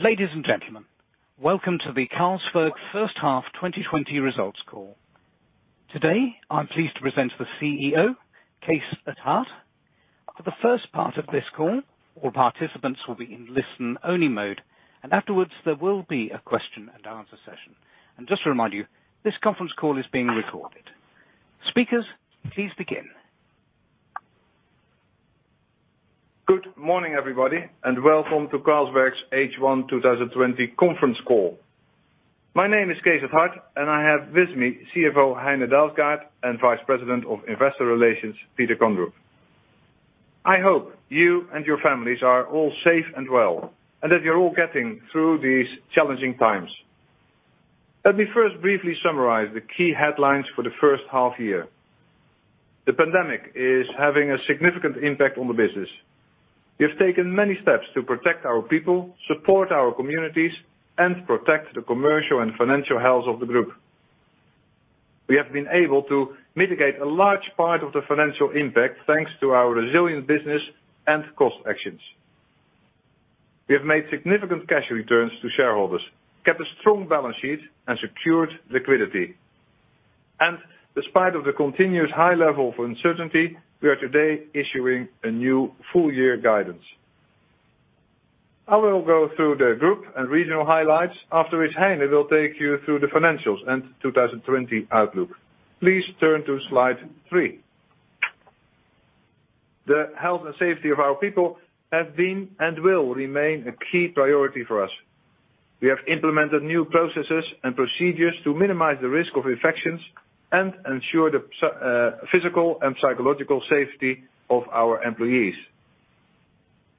Ladies and gentlemen, welcome to the Carlsberg first half 2020 results call. Today, I'm pleased to present the CEO, Cees 't Hart. For the first part of this call, all participants will be in listen-only mode. And afterwards there will be a question-and-answer session. And just to remind you, this conference call is being recorded. Speakers, please begin. Good morning, everybody, and welcome to Carlsberg's H1 2020 conference call. My name is Cees 't Hart, and I have with me CFO Heine Dalsgaard and Vice President of Investor Relations, Peter Kondrup. I hope you and your families are all safe and well, and that you're all getting through these challenging times. Let me first briefly summarize the key headlines for the first half year. The pandemic is having a significant impact on the business. We have taken many steps to protect our people, support our communities, and protect the commercial and financial health of the group. We have been able to mitigate a large part of the financial impact, thanks to our resilient business and cost actions. We have made significant cash returns to shareholders, kept a strong balance sheet, and secured liquidity. In spite of the continuous high level of uncertainty, we are today issuing a new full year guidance. I will go through the group and regional highlights. After which, Heine will take you through the financials and 2020 outlook. Please turn to slide three. The health and safety of our people have been and will remain a key priority for us. We have implemented new processes and procedures to minimize the risk of infections and ensure the physical and psychological safety of our employees.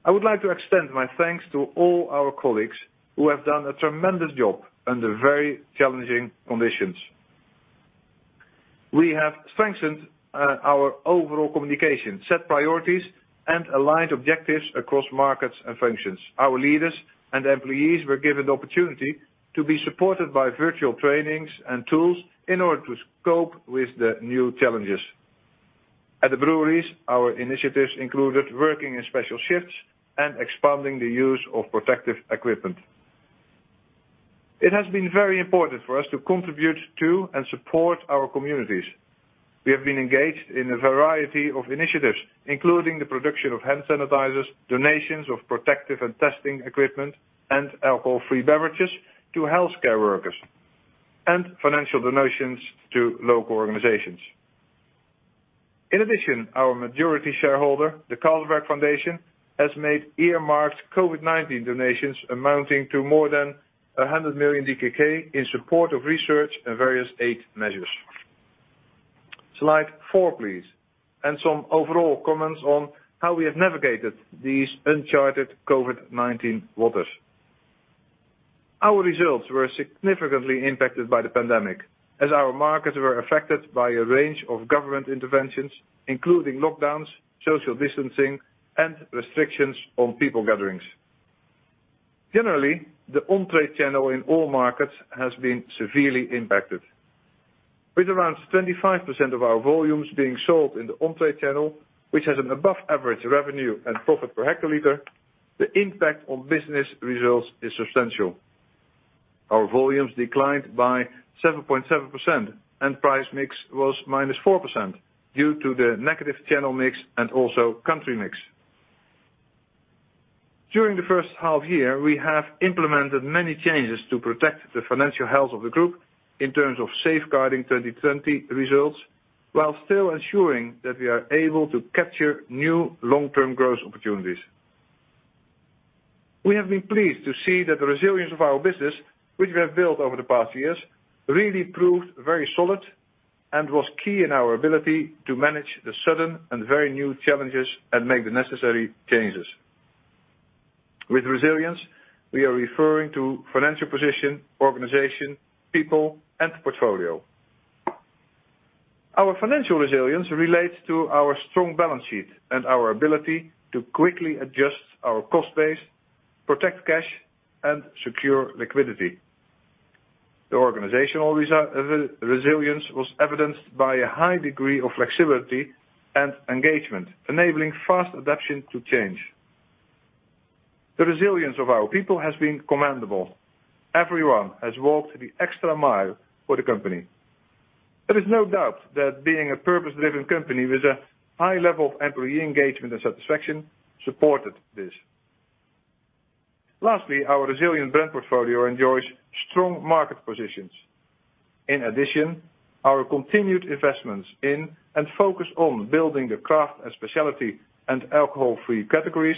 I would like to extend my thanks to all our colleagues who have done a tremendous job under very challenging conditions. We have strengthened our overall communication, set priorities, and aligned objectives across markets and functions. Our leaders and employees were given the opportunity to be supported by virtual trainings and tools in order to cope with the new challenges. At the breweries, our initiatives included working in special shifts and expanding the use of protective equipment. It has been very important for us to contribute to and support our communities. We have been engaged in a variety of initiatives, including the production of hand sanitizers, donations of protective and testing equipment, and alcohol-free beverages to healthcare workers, and financial donations to local organizations. In addition, our majority shareholder, the Carlsberg Foundation, has made earmarked COVID-19 donations amounting to more than 100 million DKK in support of research and various aid measures. Slide four, please, and some overall comments on how we have navigated these uncharted COVID-19 waters. Our results were significantly impacted by the pandemic, as our markets were affected by a range of government interventions, including lockdowns, social distancing, and restrictions on people gatherings. Generally, the on-trade channel in all markets has been severely impacted. With around 25% of our volumes being sold in the on-trade channel, which has an above average revenue and profit per hectolitre, the impact on business results is substantial. Our volumes declined by 7.7% and price mix was -4% due to the negative channel mix and also country mix. During the first half year, we have implemented many changes to protect the financial health of the group in terms of safeguarding 2020 results, while still ensuring that we are able to capture new long-term growth opportunities. We have been pleased to see that the resilience of our business, which we have built over the past years, really proved very solid and was key in our ability to manage the sudden and very new challenges and make the necessary changes. With resilience, we are referring to financial position, organization, people, and portfolio. Our financial resilience relates to our strong balance sheet and our ability to quickly adjust our cost base, protect cash, and secure liquidity. The organizational resilience was evidenced by a high degree of flexibility and engagement, enabling fast adaption to change. The resilience of our people has been commendable. Everyone has walked the extra mile for the company. There is no doubt that being a purpose-driven company with a high level of employee engagement and satisfaction supported this. Lastly, our resilient brand portfolio enjoys strong market positions. In addition, our continued investments in and focus on building the craft and specialty and alcohol-free categories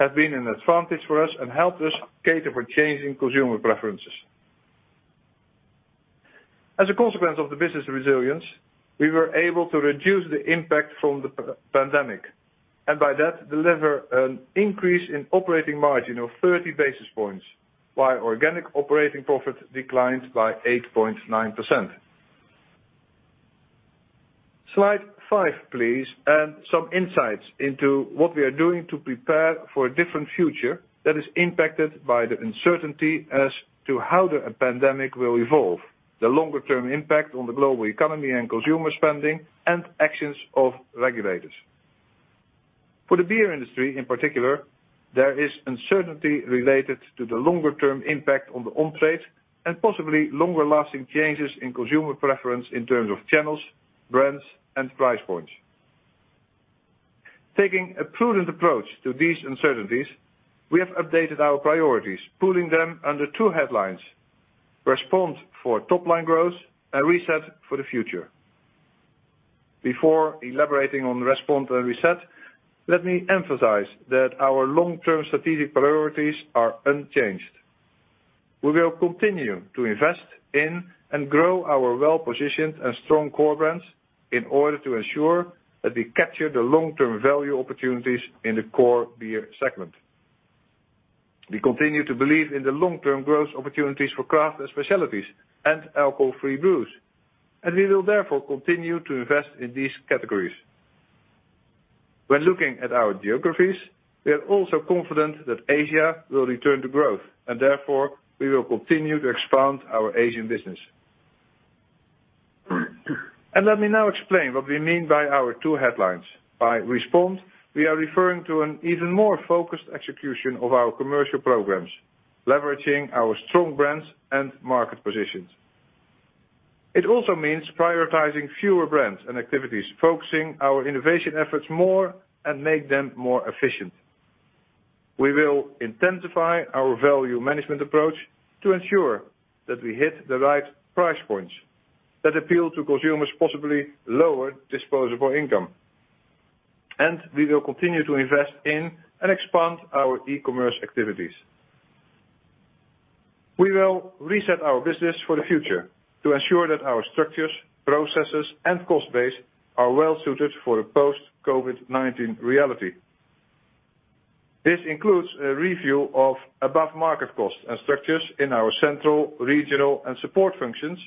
have been an advantage for us and helped us cater for changing consumer preferences. As a consequence of the business resilience, we were able to reduce the impact from the pandemic, and by that, deliver an increase in operating margin of 30 basis points, while organic operating profit declined by 8.9%. Slide five, please, and some insights into what we are doing to prepare for a different future that is impacted by the uncertainty as to how the pandemic will evolve, the longer-term impact on the global economy and consumer spending, and actions of regulators. For the beer industry in particular, there is uncertainty related to the longer-term impact on the on-trade and possibly longer-lasting changes in consumer preference in terms of channels, brands, and price points. Taking a prudent approach to these uncertainties, we have updated our priorities, pooling them under two headlines, respond for top-line growth and reset for the future. Before elaborating on the respond and reset, let me emphasize that our long-term strategic priorities are unchanged. We will continue to invest in and grow our well-positioned and strong core brands in order to ensure that we capture the long-term value opportunities in the core beer segment. We continue to believe in the long-term growth opportunities for craft and specialty and alcohol-free brews. We will therefore continue to invest in these categories. When looking at our geographies, we are also confident that Asia will return to growth. Therefore, we will continue to expand our Asian business. Let me now explain what we mean by our two headlines. By respond, we are referring to an even more focused execution of our commercial programs, leveraging our strong brands and market positions. It also means prioritizing fewer brands and activities, focusing our innovation efforts more, and make them more efficient. We will intensify our value management approach to ensure that we hit the right price points that appeal to consumers' possibly lower disposable income. We will continue to invest in and expand our e-commerce activities. We will reset our business for the future to ensure that our structures, processes, and cost base are well-suited for a post-COVID-19 reality. This includes a review of above-market costs and structures in our central, regional, and support functions,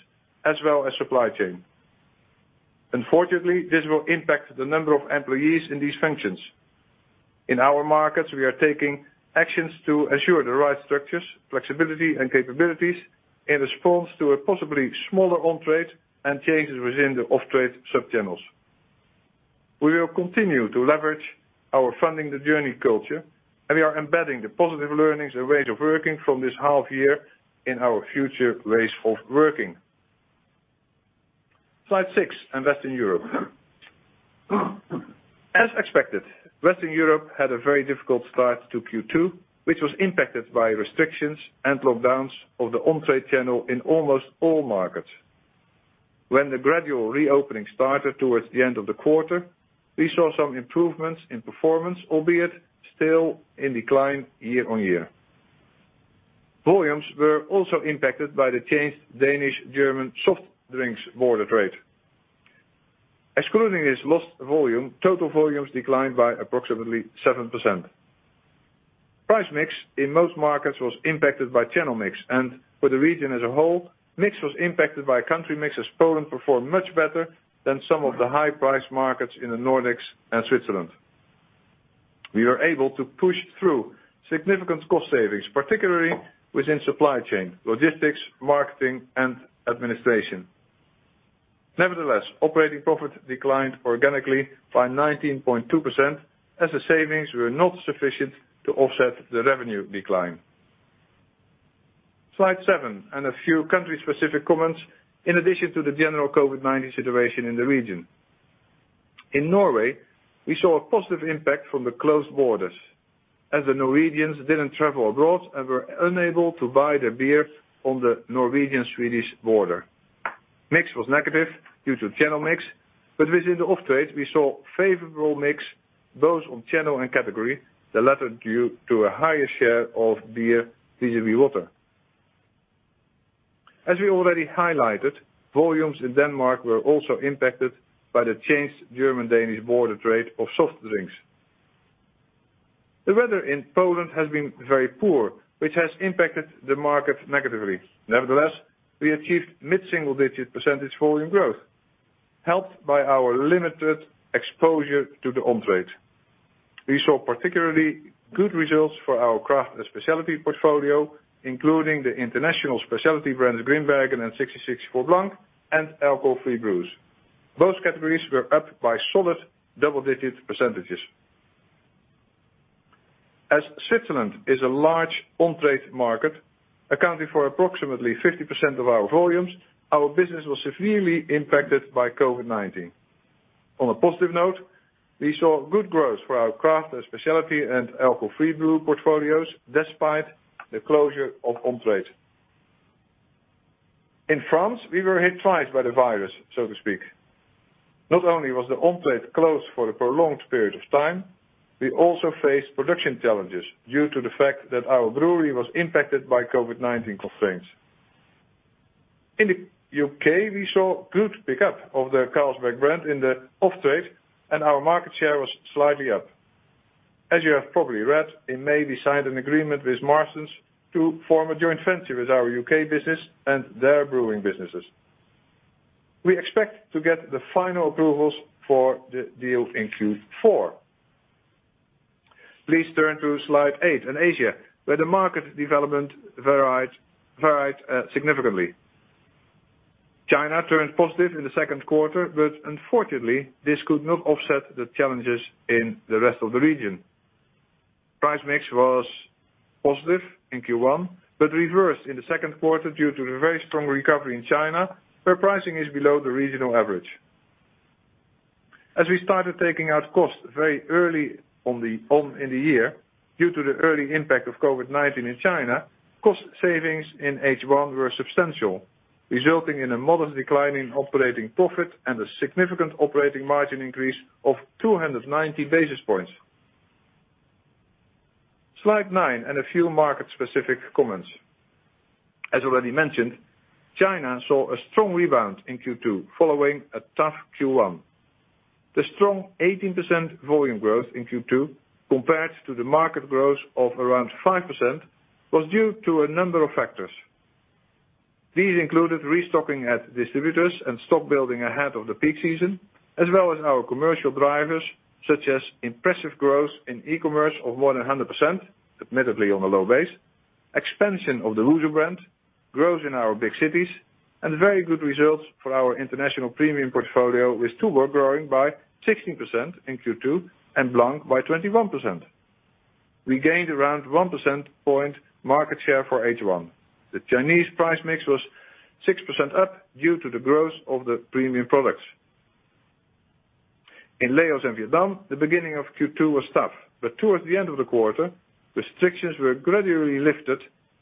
as well as supply chain. Unfortunately, this will impact the number of employees in these functions. In our markets, we are taking actions to ensure the right structures, flexibility, and capabilities in response to a possibly smaller on-trade and changes within the off-trade subchannels. We will continue to leverage our Funding the Journey culture, and we are embedding the positive learnings and ways of working from this half-year in our future ways of working. Slide six, and Western Europe. As expected, Western Europe had a very difficult start to Q2, which was impacted by restrictions and lockdowns of the on-trade channel in almost all markets. When the gradual reopening started toward the end of the quarter, we saw some improvements in performance, albeit still in decline year-on-year. Volumes were also impacted by the changed Danish-German soft drinks border trade. Excluding this lost volume, total volumes declined by approximately 7%. Price mix in most markets was impacted by channel mix, and for the region as a whole, mix was impacted by country mix as Poland performed much better than some of the high price markets in the Nordics and Switzerland. We were able to push through significant cost savings, particularly within supply chain, logistics, marketing, and administration. Nevertheless, operating profit declined organically by 19.2% as the savings were not sufficient to offset the revenue decline. Slide seven, a few country-specific comments in addition to the general COVID-19 situation in the region. In Norway, we saw a positive impact from the closed borders as the Norwegians didn't travel abroad and were unable to buy their beer on the Norwegian-Swedish border. Mix was negative due to channel mix, but within the off-trade, we saw favorable mix, both on channel and category, the latter due to a higher share of beer vis-à-vis water. As we already highlighted, volumes in Denmark were also impacted by the changed German-Danish border trade of soft drinks. The weather in Poland has been very poor, which has impacted the market negatively. Nevertheless, we achieved mid-single-digit percentage volume growth, helped by our limited exposure to the on-trade. We saw particularly good results for our craft and specialty portfolio, including the international specialty brands Grimbergen and 1664 Blanc and alcohol-free brews. Both categories were up by solid double-digit percentage. As Switzerland is a large on-trade market, accounting for approximately 50% of our volumes, our business was severely impacted by COVID-19. On a positive note, we saw good growth for our craft and specialty and alcohol-free brew portfolios, despite the closure of on-trade. In France, we were hit twice by the virus, so to speak. Not only was the on-trade closed for a prolonged period of time, we also faced production challenges due to the fact that our brewery was impacted by COVID-19 constraints. In the U.K., we saw good pick-up of the Carlsberg brand in the off-trade, and our market share was slightly up. As you have probably read, in May, we signed an agreement with Marston's to form a joint venture with our U.K. business and their brewing businesses. We expect to get the final approvals for the deal in Q4. Please turn to slide eight and Asia, where the market development varied significantly. China turned positive in the second quarter, unfortunately, this could not offset the challenges in the rest of the region. Price mix was positive in Q1, reversed in the second quarter due to the very strong recovery in China, where pricing is below the regional average. As we started taking out costs very early on in the year, due to the early impact of COVID-19 in China, cost savings in H1 were substantial, resulting in a modest decline in operating profit and a significant operating margin increase of 290 basis points. Slide nine and a few market specific comments. As already mentioned, China saw a strong rebound in Q2 following a tough Q1. The strong 18% volume growth in Q2 compared to the market growth of around 5%, was due to a number of factors. These included restocking at distributors and stock building ahead of the peak season, as well as our commercial drivers, such as impressive growth in e-commerce of more than 100%, admittedly on a low base, expansion of the Wusu brand, growth in our big cities, and very good results for our international premium portfolio, with Tuborg growing by 16% in Q2 and Blanc by 21%. We gained around 1% point market share for H1. The Chinese price mix was 6% up due to the growth of the premium products. In Laos and Vietnam, the beginning of Q2 was tough, but towards the end of the quarter, restrictions were gradually lifted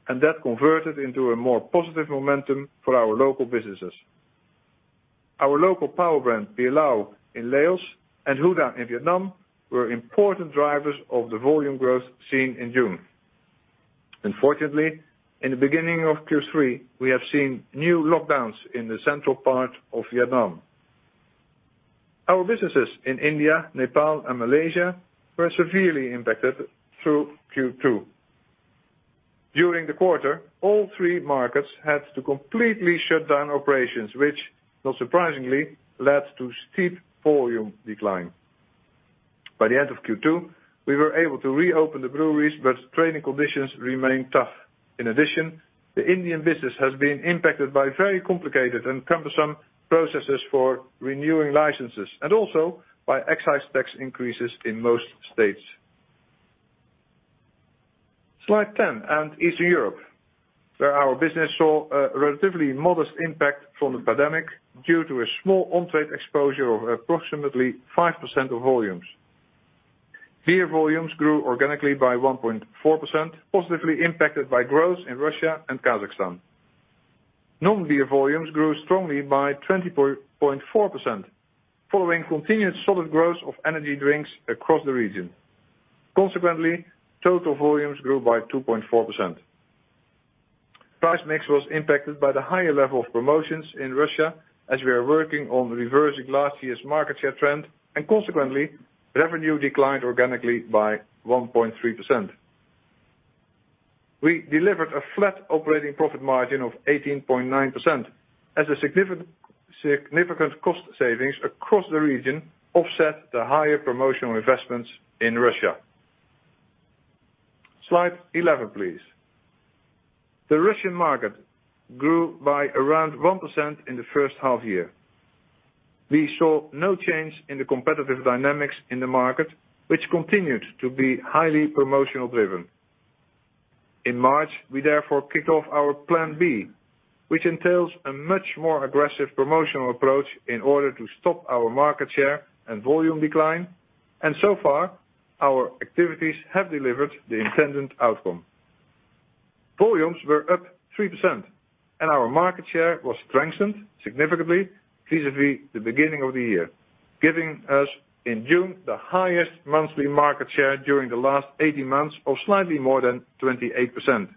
and that converted into a more positive momentum for our local businesses. Our local power brand, Beerlao in Laos and Huda in Vietnam, were important drivers of the volume growth seen in June. Unfortunately, in the beginning of Q3, we have seen new lockdowns in the central part of Vietnam. Our businesses in India, Nepal and Malaysia were severely impacted through Q2. During the quarter, all three markets had to completely shut down operations, which not surprisingly, led to steep volume decline. By the end of Q2, we were able to reopen the breweries, but trading conditions remained tough. In addition, the Indian business has been impacted by very complicated and cumbersome processes for renewing licenses, and also by excise tax increases in most states. Slide 10 and Eastern Europe, where our business saw a relatively modest impact from the pandemic due to a small on-trade exposure of approximately 5% of volumes. Beer volumes grew organically by 1.4%, positively impacted by growth in Russia and Kazakhstan. Non-beer volumes grew strongly by 20.4%, following continued solid growth of energy drinks across the region. Consequently, total volumes grew by 2.4%. Price mix was impacted by the higher level of promotions in Russia as we are working on reversing last year's market share trend, and consequently, revenue declined organically by 1.3%. We delivered a flat operating profit margin of 18.9% as the significant cost savings across the region offset the higher promotional investments in Russia. Slide 11, please. The Russian market grew by around 1% in the first half year. We saw no change in the competitive dynamics in the market, which continued to be highly promotional driven. In March, we therefore kicked off our plan B, which entails a much more aggressive promotional approach in order to stop our market share and volume decline. So far, our activities have delivered the intended outcome. Volumes were up 3% and our market share was strengthened significantly vis-à-vis the beginning of the year, giving us in June, the highest monthly market share during the last 18 months of slightly more than 28%.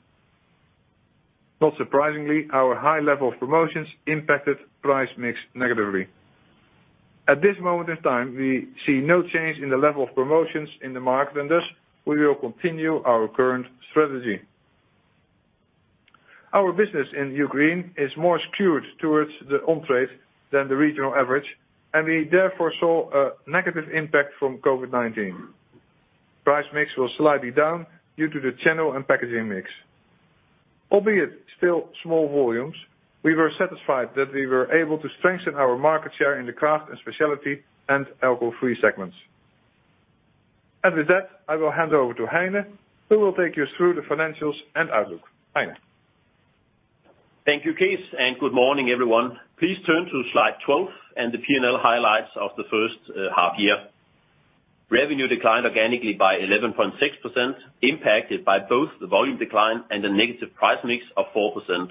Not surprisingly, our high level of promotions impacted price mix negatively. At this moment in time, we see no change in the level of promotions in the market, and thus, we will continue our current strategy. Our business in Ukraine is more skewed towards the on-trade than the regional average, and we therefore saw a negative impact from COVID-19. Price mix was slightly down due to the channel and packaging mix. Albeit still small volumes, we were satisfied that we were able to strengthen our market share in the craft and specialty and alcohol-free segments. With that, I will hand over to Heine, who will take you through the financials and outlook. Heine. Thank you, Cees, and good morning, everyone. Please turn to slide 12 and the P&L highlights of the first half year. Revenue declined organically by 11.6%, impacted by both the volume decline and a negative price mix of 4%.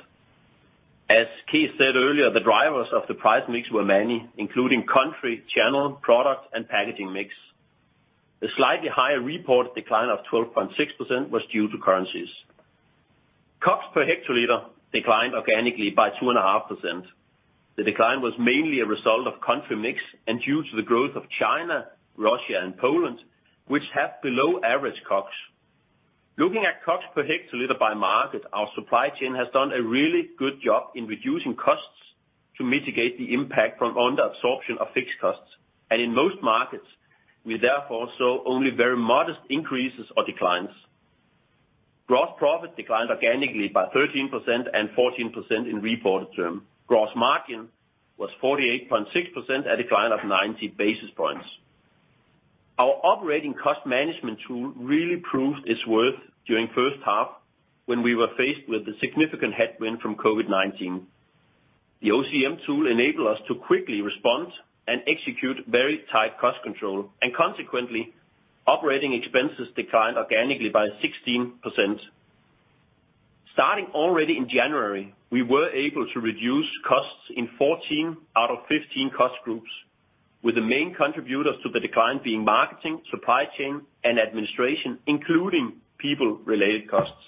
As Cees said earlier, the drivers of the price mix were many, including country, channel, product and packaging mix. The slightly higher reported decline of 12.6% was due to currencies. COGS per hectoliter declined organically by 2.5%. The decline was mainly a result of country mix, and due to the growth of China, Russia and Poland, which have below average COGS. Looking at COGS per hectoliter by market, our supply chain has done a really good job in reducing costs to mitigate the impact from under absorption of fixed costs. In most markets, we therefore saw only very modest increases or declines. Gross profit declined organically by 13% and 14% in reported terms. Gross margin was 48.6%, a decline of 90 basis points. Our operating cost management tool really proved its worth during the first half when we were faced with a significant headwind from COVID-19. The OCM tool enabled us to quickly respond and execute very tight cost control, and consequently, operating expenses declined organically by 16%. Starting already in January, we were able to reduce costs in 14 out of 15 cost groups, with the main contributors to the decline being marketing, supply chain, and administration, including people-related costs.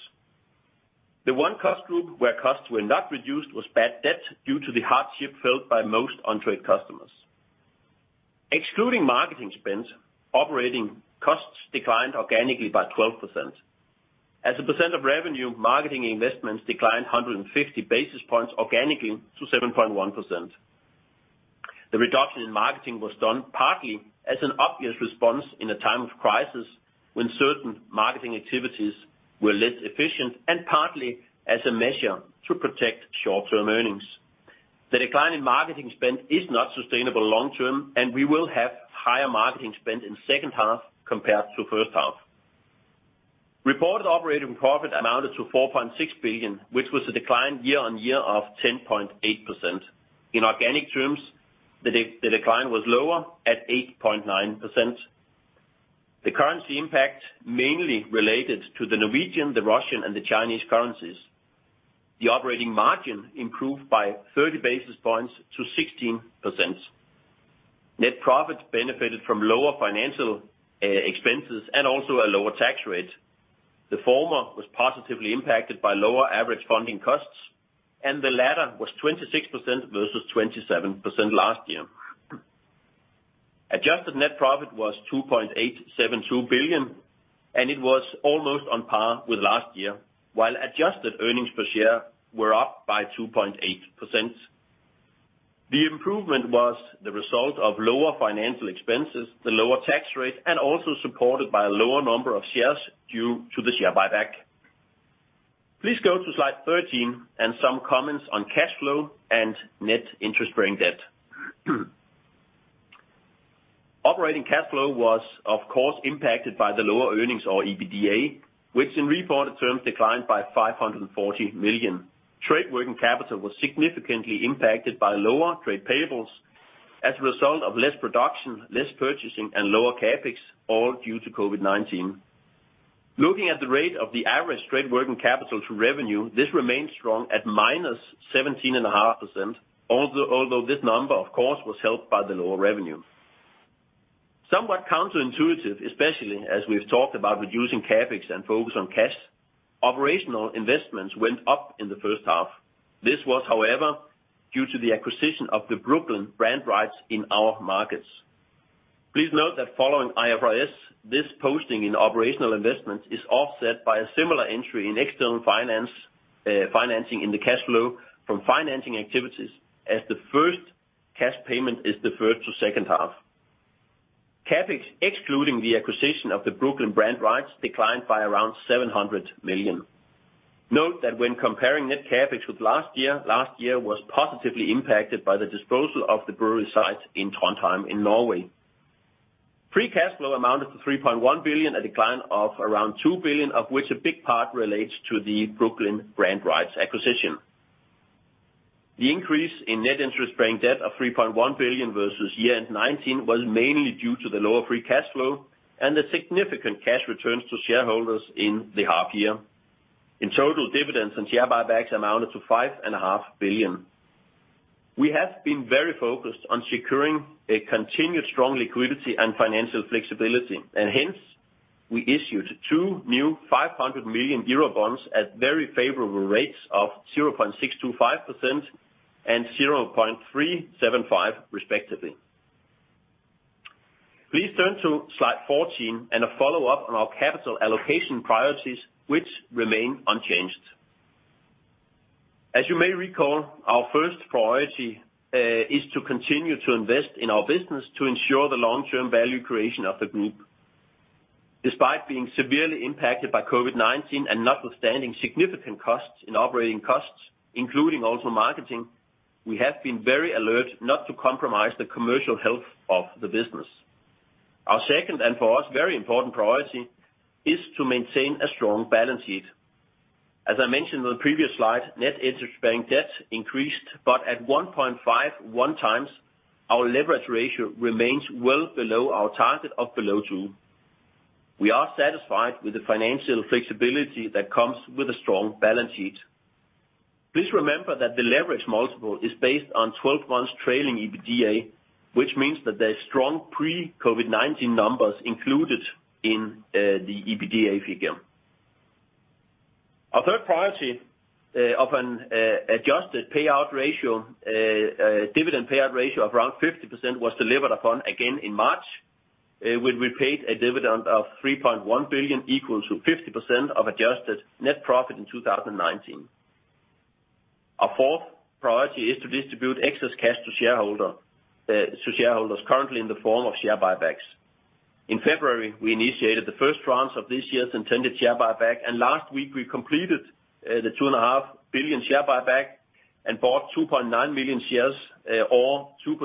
The one cost group where costs were not reduced was bad debt, due to the hardship felt by most on-trade customers. Excluding marketing spends, operating costs declined organically by 12%. As a percent of revenue, marketing investments declined 150 basis points organically to 7.1%. The reduction in marketing was done partly as an obvious response in a time of crisis when certain marketing activities were less efficient and partly as a measure to protect short-term earnings. The decline in marketing spend is not sustainable long term, we will have higher marketing spend in the second half compared to the first half. Reported operating profit amounted to 4.6 billion, which was a decline year-over-year of 10.8%. In organic terms, the decline was lower at 8.9%. The currency impact mainly related to the Norwegian, the Russian, and the Chinese currencies. The operating margin improved by 30 basis points to 16%. Net profit benefited from lower financial expenses also a lower tax rate. The former was positively impacted by lower average funding costs, and the latter was 26% versus 27% last year. Adjusted net profit was DKK 2.872 billion, and it was almost on par with last year, while adjusted earnings per share were up by 2.8%. The improvement was the result of lower financial expenses, the lower tax rate, and also supported by a lower number of shares due to the share buyback. Please go to slide 13 and some comments on cash flow and net interest-bearing debt. Operating cash flow was of course impacted by the lower earnings or EBITDA, which in reported terms declined by 540 million. Trade working capital was significantly impacted by lower trade payables as a result of less production, less purchasing, and lower CapEx, all due to COVID-19. Looking at the rate of the average trade working capital to revenue, this remained strong at -17.5%, although this number, of course, was helped by the lower revenue. Somewhat counterintuitive, especially as we've talked about reducing CapEx and focus on cash, operational investments went up in the first half. This was, however, due to the acquisition of the Brooklyn brand rights in our markets. Please note that following IFRS, this posting in operational investments is offset by a similar entry in external financing in the cash flow from financing activities, as the first cash payment is deferred to the second half. CapEx, excluding the acquisition of the Brooklyn brand rights, declined by around 700 million. Note that when comparing net CapEx with last year, last year was positively impacted by the disposal of the brewery site in Trondheim in Norway. Free cash flow amounted to 3.1 billion, a decline of around 2 billion of which a big part relates to the Brooklyn Brewery brand rights acquisition. The increase in net interest-bearing debt of 3.1 billion versus year-end 2019 was mainly due to the lower free cash flow and the significant cash returns to shareholders in the half year. In total, dividends and share buybacks amounted to 5.5 billion. We have been very focused on securing continued strong liquidity and financial flexibility, and hence we issued two new 500 million euro bonds at very favorable rates of 0.625% and 0.375%, respectively. Please turn to slide 14 and a follow-up on our capital allocation priorities, which remain unchanged. As you may recall, our first priority is to continue to invest in our business to ensure the long-term value creation of the group. Despite being severely impacted by COVID-19 and notwithstanding significant costs in operating costs, including also marketing, we have been very alert not to compromise the commercial health of the business. Our second, and for us, very important priority, is to maintain a strong balance sheet. As I mentioned on the previous slide, net interest-bearing debt increased, but at 1.51x, our leverage ratio remains well below our target of below 2x. We are satisfied with the financial flexibility that comes with a strong balance sheet. Please remember that the leverage multiple is based on 12 months trailing EBITDA, which means that there is strong pre-COVID-19 numbers included in the EBITDA figure. Our third priority of an adjusted dividend payout ratio of around 50% was delivered upon again in March, when we paid a dividend of 3.1 billion, equal to 50% of adjusted net profit in 2019. Our fourth priority is to distribute excess cash to shareholders currently in the form of share buybacks. In February, we initiated the first tranche of this year's intended share buyback, and last week we completed the 2.5 billion share buyback and bought 2.9 million shares or 2%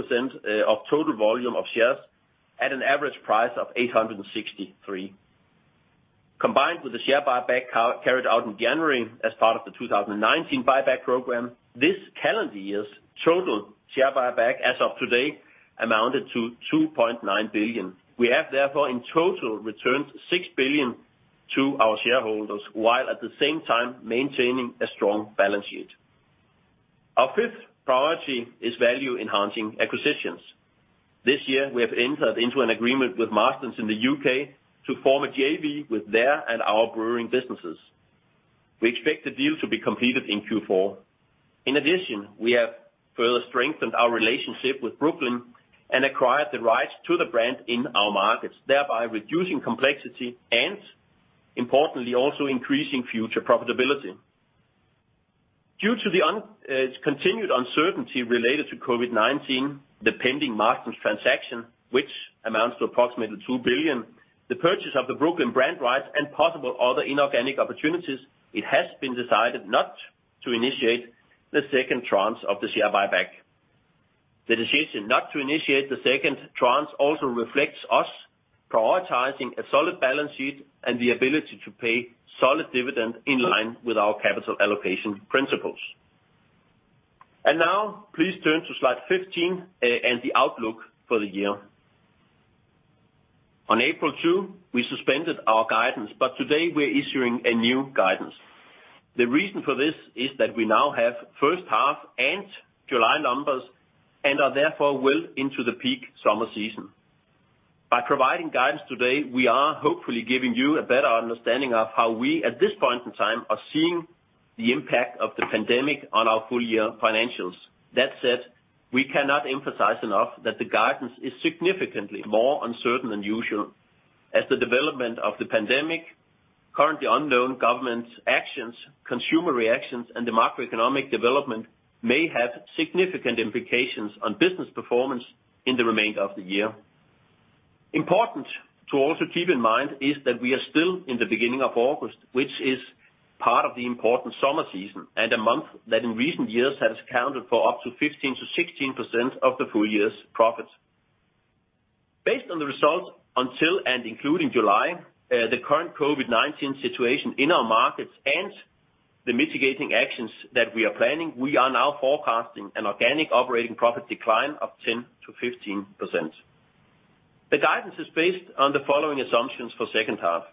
of total volume of shares at an average price of 863. Combined with the share buyback carried out in January as part of the 2019 buyback program, this calendar year's total share buyback as of today amounted to 2.9 billion. We have therefore in total returned 6 billion to our shareholders, while at the same time maintaining a strong balance sheet. Our fifth priority is value-enhancing acquisitions. This year we have entered into an agreement with Marston's in the U.K. to form a JV with their and our brewing businesses. We expect the deal to be completed in Q4. In addition, we have further strengthened our relationship with Brooklyn and acquired the rights to the brand in our markets, thereby reducing complexity and importantly, also increasing future profitability. Due to the continued uncertainty related to COVID-19, the pending Marston's transaction, which amounts to approximately 2 billion, the purchase of the Brooklyn brand rights, and possible other inorganic opportunities, it has been decided not to initiate the second tranche of the share buyback. The decision not to initiate the second tranche also reflects us prioritizing a solid balance sheet and the ability to pay solid dividend in line with our capital allocation principles. Now please turn to slide 15, and the outlook for the year. On April 2, we suspended our guidance. Today we're issuing a new guidance. The reason for this is that we now have first half and July numbers and are therefore well into the peak summer season. By providing guidance today, we are hopefully giving you a better understanding of how we, at this point in time, are seeing the impact of the pandemic on our full year financials. That said, we cannot emphasize enough that the guidance is significantly more uncertain than usual as the development of the pandemic, currently unknown government actions, consumer reactions, and the macroeconomic development may have significant implications on business performance in the remainder of the year. Important to also keep in mind is that we are still in the beginning of August, which is part of the important summer season, and a month that in recent years has accounted for up to 15%-16% of the full year's profits. Based on the results until and including July, the current COVID-19 situation in our markets and the mitigating actions that we are planning, we are now forecasting an organic operating profit decline of 10%-15%. The guidance is based on the following assumptions for second half.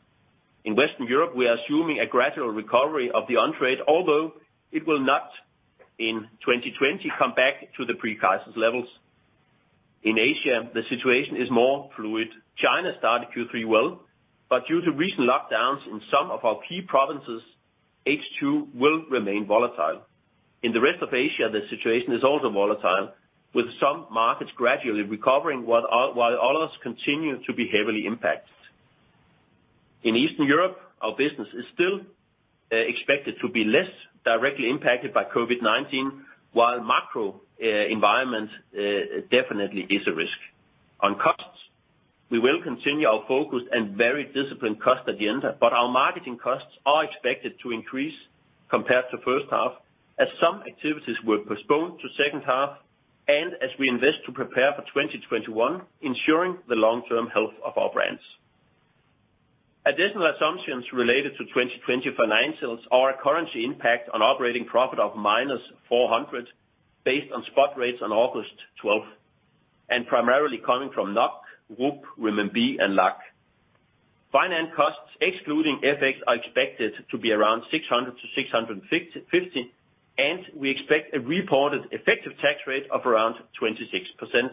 In Western Europe, we are assuming a gradual recovery of the on-trade, although it will not in 2020 come back to the pre-crisis levels. In Asia, the situation is more fluid. China started Q3 well, but due to recent lockdowns in some of our key provinces, H2 will remain volatile. In the rest of Asia, the situation is also volatile, with some markets gradually recovering while others continue to be heavily impacted. In Eastern Europe, our business is still expected to be less directly impacted by COVID-19, while macro environment definitely is a risk. On costs, we will continue our focus and very disciplined cost agenda, but our marketing costs are expected to increase compared to first half as some activities were postponed to second half, and as we invest to prepare for 2021, ensuring the long-term health of our brands. Additional assumptions related to 2020 financials are a currency impact on operating profit of -400 based on spot rates on August 12th, primarily coming from NOK, RUB, renminbi and LAK. Finance costs excluding FX are expected to be around 600 million-650 million. We expect a reported effective tax rate of around 26%.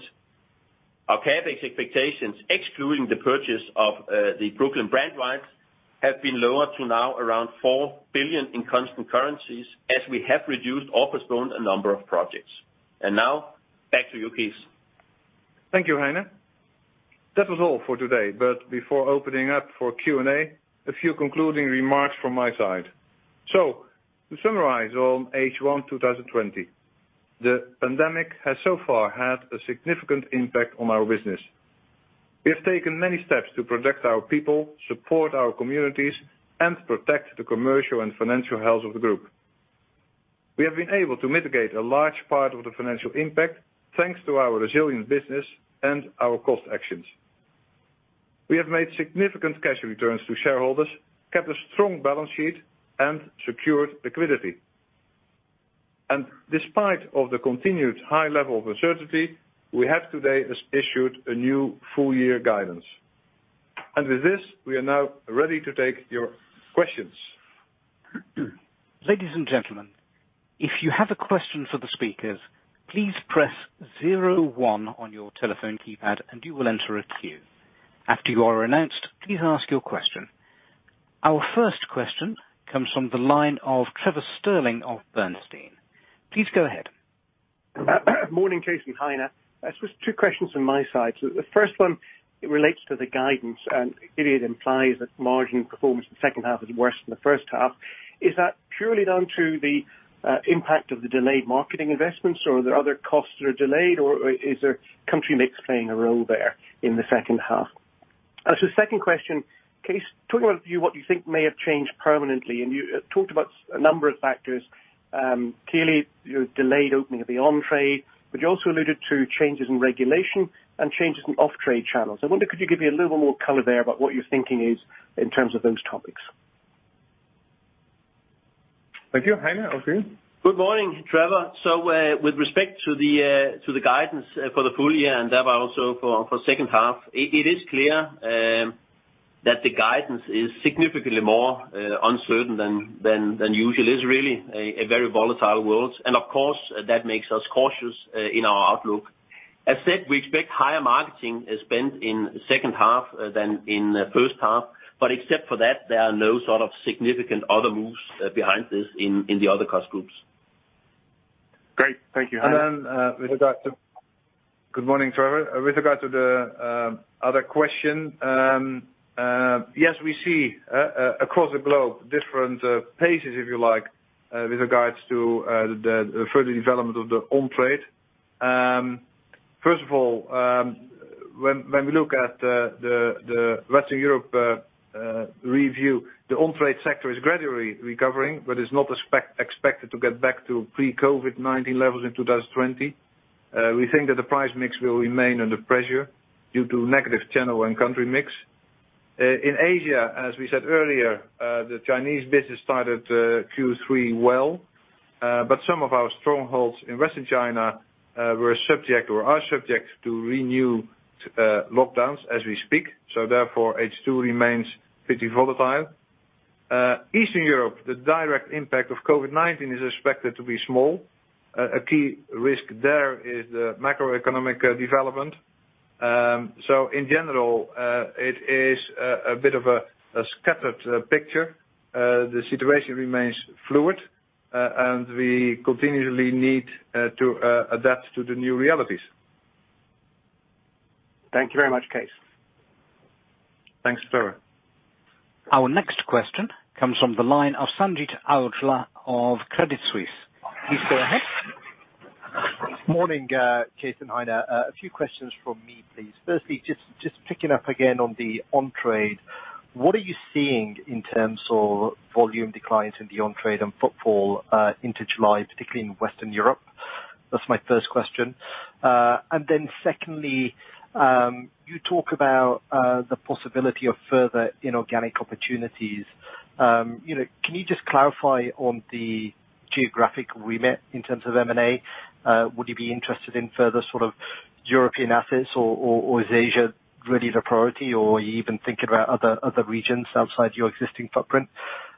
Our CapEx expectations, excluding the purchase of the Brooklyn brand rights, have been lowered to now around 4 billion in constant currencies as we have reduced or postponed a number of projects. Now back to you, Cees. Thank you, Heine. That was all for today, but before opening up for Q&A, a few concluding remarks from my side. To summarize on H1 2020, the pandemic has so far had a significant impact on our business. We have taken many steps to protect our people, support our communities, and protect the commercial and financial health of the group. We have been able to mitigate a large part of the financial impact thanks to our resilient business and our cost actions. We have made significant cash returns to shareholders, kept a strong balance sheet, and secured liquidity. Despite of the continued high level of uncertainty, we have today issued a new full-year guidance. With this, we are now ready to take your questions. Our first question comes from the line of Trevor Stirling of Bernstein. Please go ahead. Morning, Cees and Heine. Just two questions from my side. The first one relates to the guidance, and it implies that margin performance in the second half is worse than the first half. Is that purely down to the impact of the delayed marketing investments, or are there other costs that are delayed, or is their country mix playing a role there in the second half? Second question, Cees, talking about what you think may have changed permanently, and you talked about a number of factors. Clearly, delayed opening of the on-trade, but you also alluded to changes in regulation and changes in off-trade channels. I wonder, could you give me a little more color there about what your thinking is in terms of those topics? Thank you. Heine, over to you. Good morning, Trevor. With respect to the guidance for the full year and thereby also for second half, it is clear that the guidance is significantly more uncertain than usual. It's really a very volatile world, and of course, that makes us cautious in our outlook. As said, we expect higher marketing spend in the second half than in the first half. Except for that, there are no sort of significant other moves behind this in the other cost groups. Great. Thank you, Heine. Good morning, Trevor. With regard to the other question, yes, we see across the globe different paces, if you like, with regards to the further development of the on-trade. First of all, when we look at the Western Europe review, the on-trade sector is gradually recovering, but is not expected to get back to pre-COVID-19 levels in 2020. We think that the price mix will remain under pressure due to negative channel and country mix. In Asia, as we said earlier, the Chinese business started Q3 well, but some of our strongholds in Western China were subject or are subject to renewed lockdowns as we speak. Therefore, H2 remains pretty volatile. Eastern Europe, the direct impact of COVID-19 is expected to be small. A key risk there is the macroeconomic development. In general, it is a bit of a scattered picture. The situation remains fluid, and we continually need to adapt to the new realities. Thank you very much, Cees. Thanks, Trevor. Our next question comes from the line of Sanjeet Aujla of Credit Suisse. Please go ahead. Morning, Cees and Heine. A few questions from me, please. Firstly, just picking up again on the on-trade. What are you seeing in terms of volume declines in the on-trade and footfall into July, particularly in Western Europe? That's my first question. Secondly, you talk about the possibility of further inorganic opportunities. Can you just clarify on the geographic remit in terms of M&A? Would you be interested in further sort of European assets, or is Asia really the priority, or are you even thinking about other regions outside your existing footprint?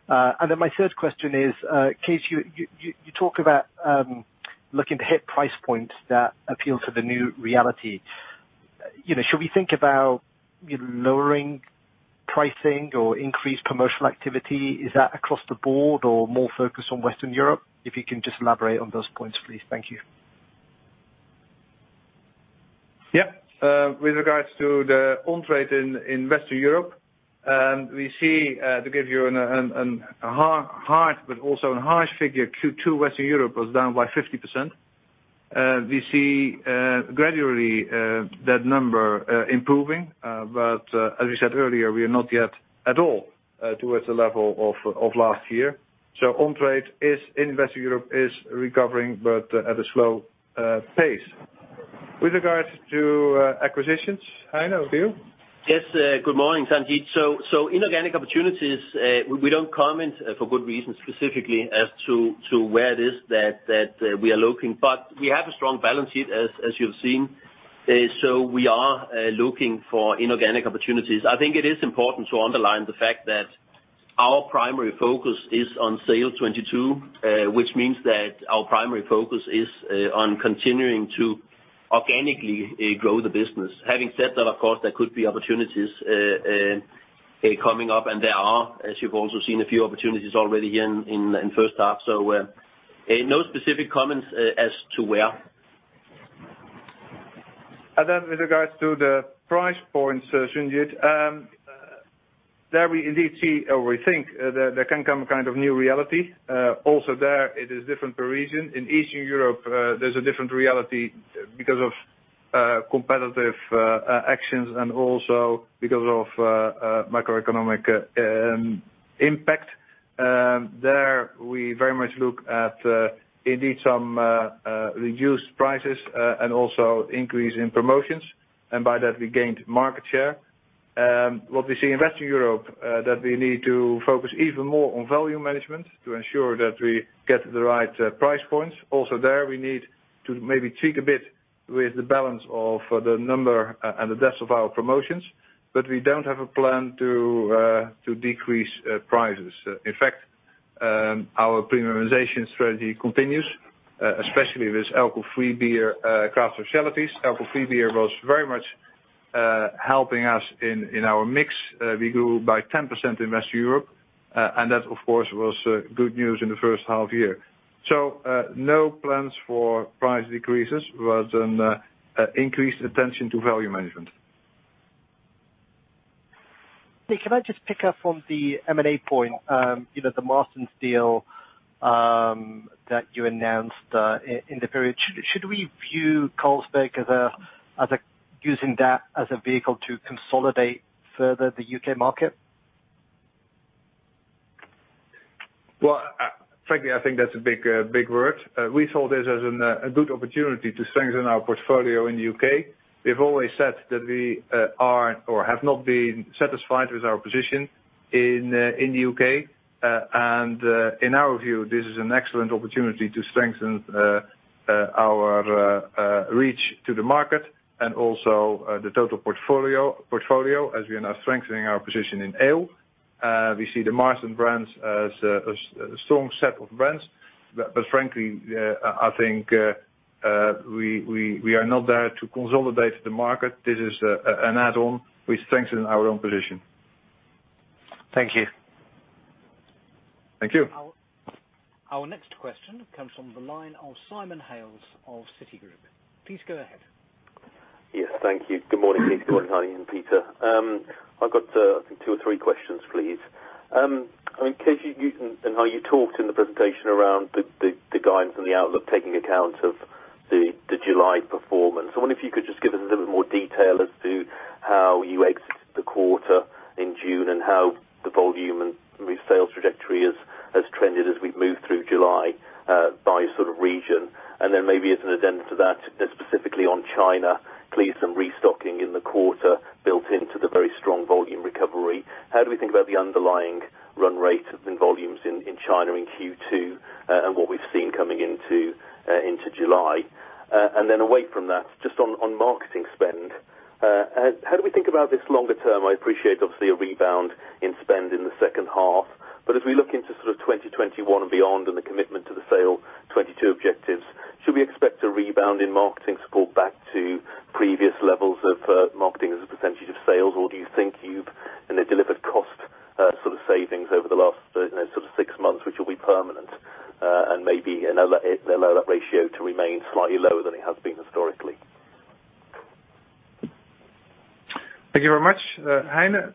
My third question is, Cees, you talk about looking to hit price points that appeal to the new reality. Should we think about lowering pricing or increased promotional activity? Is that across the board or more focused on Western Europe? If you can just elaborate on those points, please. Thank you. With regards to the on-trade in Western Europe, we see to give you a hard but also a harsh figure, Q2 Western Europe was down by 50%. We see gradually that number improving, as we said earlier, we are not yet at all towards the level of last year. On-trade in Western Europe is recovering, but at a slow pace. With regards to acquisitions, Heine, over to you. Yes. Good morning, Sanjeet. Inorganic opportunities, we don't comment for good reasons specifically as to where it is that we are looking. We have a strong balance sheet, as you've seen. We are looking for inorganic opportunities. I think it is important to underline the fact that our primary focus is on SAIL'22, which means that our primary focus is on continuing to organically grow the business. Having said that, of course, there could be opportunities coming up, and there are, as you've also seen, a few opportunities already here in first half. No specific comments as to where. With regards to the price points, Sanjeet, there we indeed see or we think there can come a kind of new reality. There, it is different per region. In Eastern Europe, there's a different reality because of competitive actions and also because of macroeconomic impact. There, we very much look at indeed some reduced prices, and also increase in promotions, and by that, we gained market share. What we see in Western Europe, that we need to focus even more on volume management to ensure that we get the right price points. There, we need to maybe tweak a bit with the balance of the number and the depth of our promotions, but we don't have a plan to decrease prices. In fact, our premiumization strategy continues, especially with alcohol-free beer, craft and specialty. Alcohol-free beer was very much helping us in our mix. We grew by 10% in Western Europe. That, of course, was good news in the first half year. No plans for price decreases, but an increased attention to value management. Hey, can I just pick up from the M&A point? The Marston's deal that you announced in the period. Should we view Carlsberg as using that as a vehicle to consolidate further the U.K. market? Well, frankly, I think that's a big word. We saw this as a good opportunity to strengthen our portfolio in the U.K. We've always said that we are or have not been satisfied with our position in the U.K. In our view, this is an excellent opportunity to strengthen our reach to the market and also the total portfolio, as we are now strengthening our position in ale. We see the Marston's brands as a strong set of brands. Frankly, I think we are not there to consolidate the market. This is an add-on which strengthens our own position. Thank you. Thank you. Our next question comes from the line of Simon Hales of Citigroup. Please go ahead. Yes, thank you. Good morning, Cees. Good morning, Heine and Peter. I've got, I think, two or three questions, please. Cees, how you talked in the presentation around the guidance and the outlook taking account of the July performance, I wonder if you could just give us a little bit more detail as to how you exited the quarter in June and how the volume and sales trajectory has trended as we've moved through July by region. Then maybe as an addendum to that, specifically on China, please, some restocking in the quarter built into the very strong volume recovery. How do we think about the underlying run rate in volumes in China in Q2 and what we've seen coming into July? Then away from that, just on marketing spend, how do we think about this longer term? I appreciate, obviously, a rebound in spend in the second half. As we look into 2021 and beyond and the commitment to the SAIL'22 objectives, should we expect a rebound in marketing to go back to previous levels of marketing as a percentage of sales? Do you think you've delivered cost savings over the last six months, which will be permanent, and maybe allow that ratio to remain slightly lower than it has been historically? Thank you very much. Heine.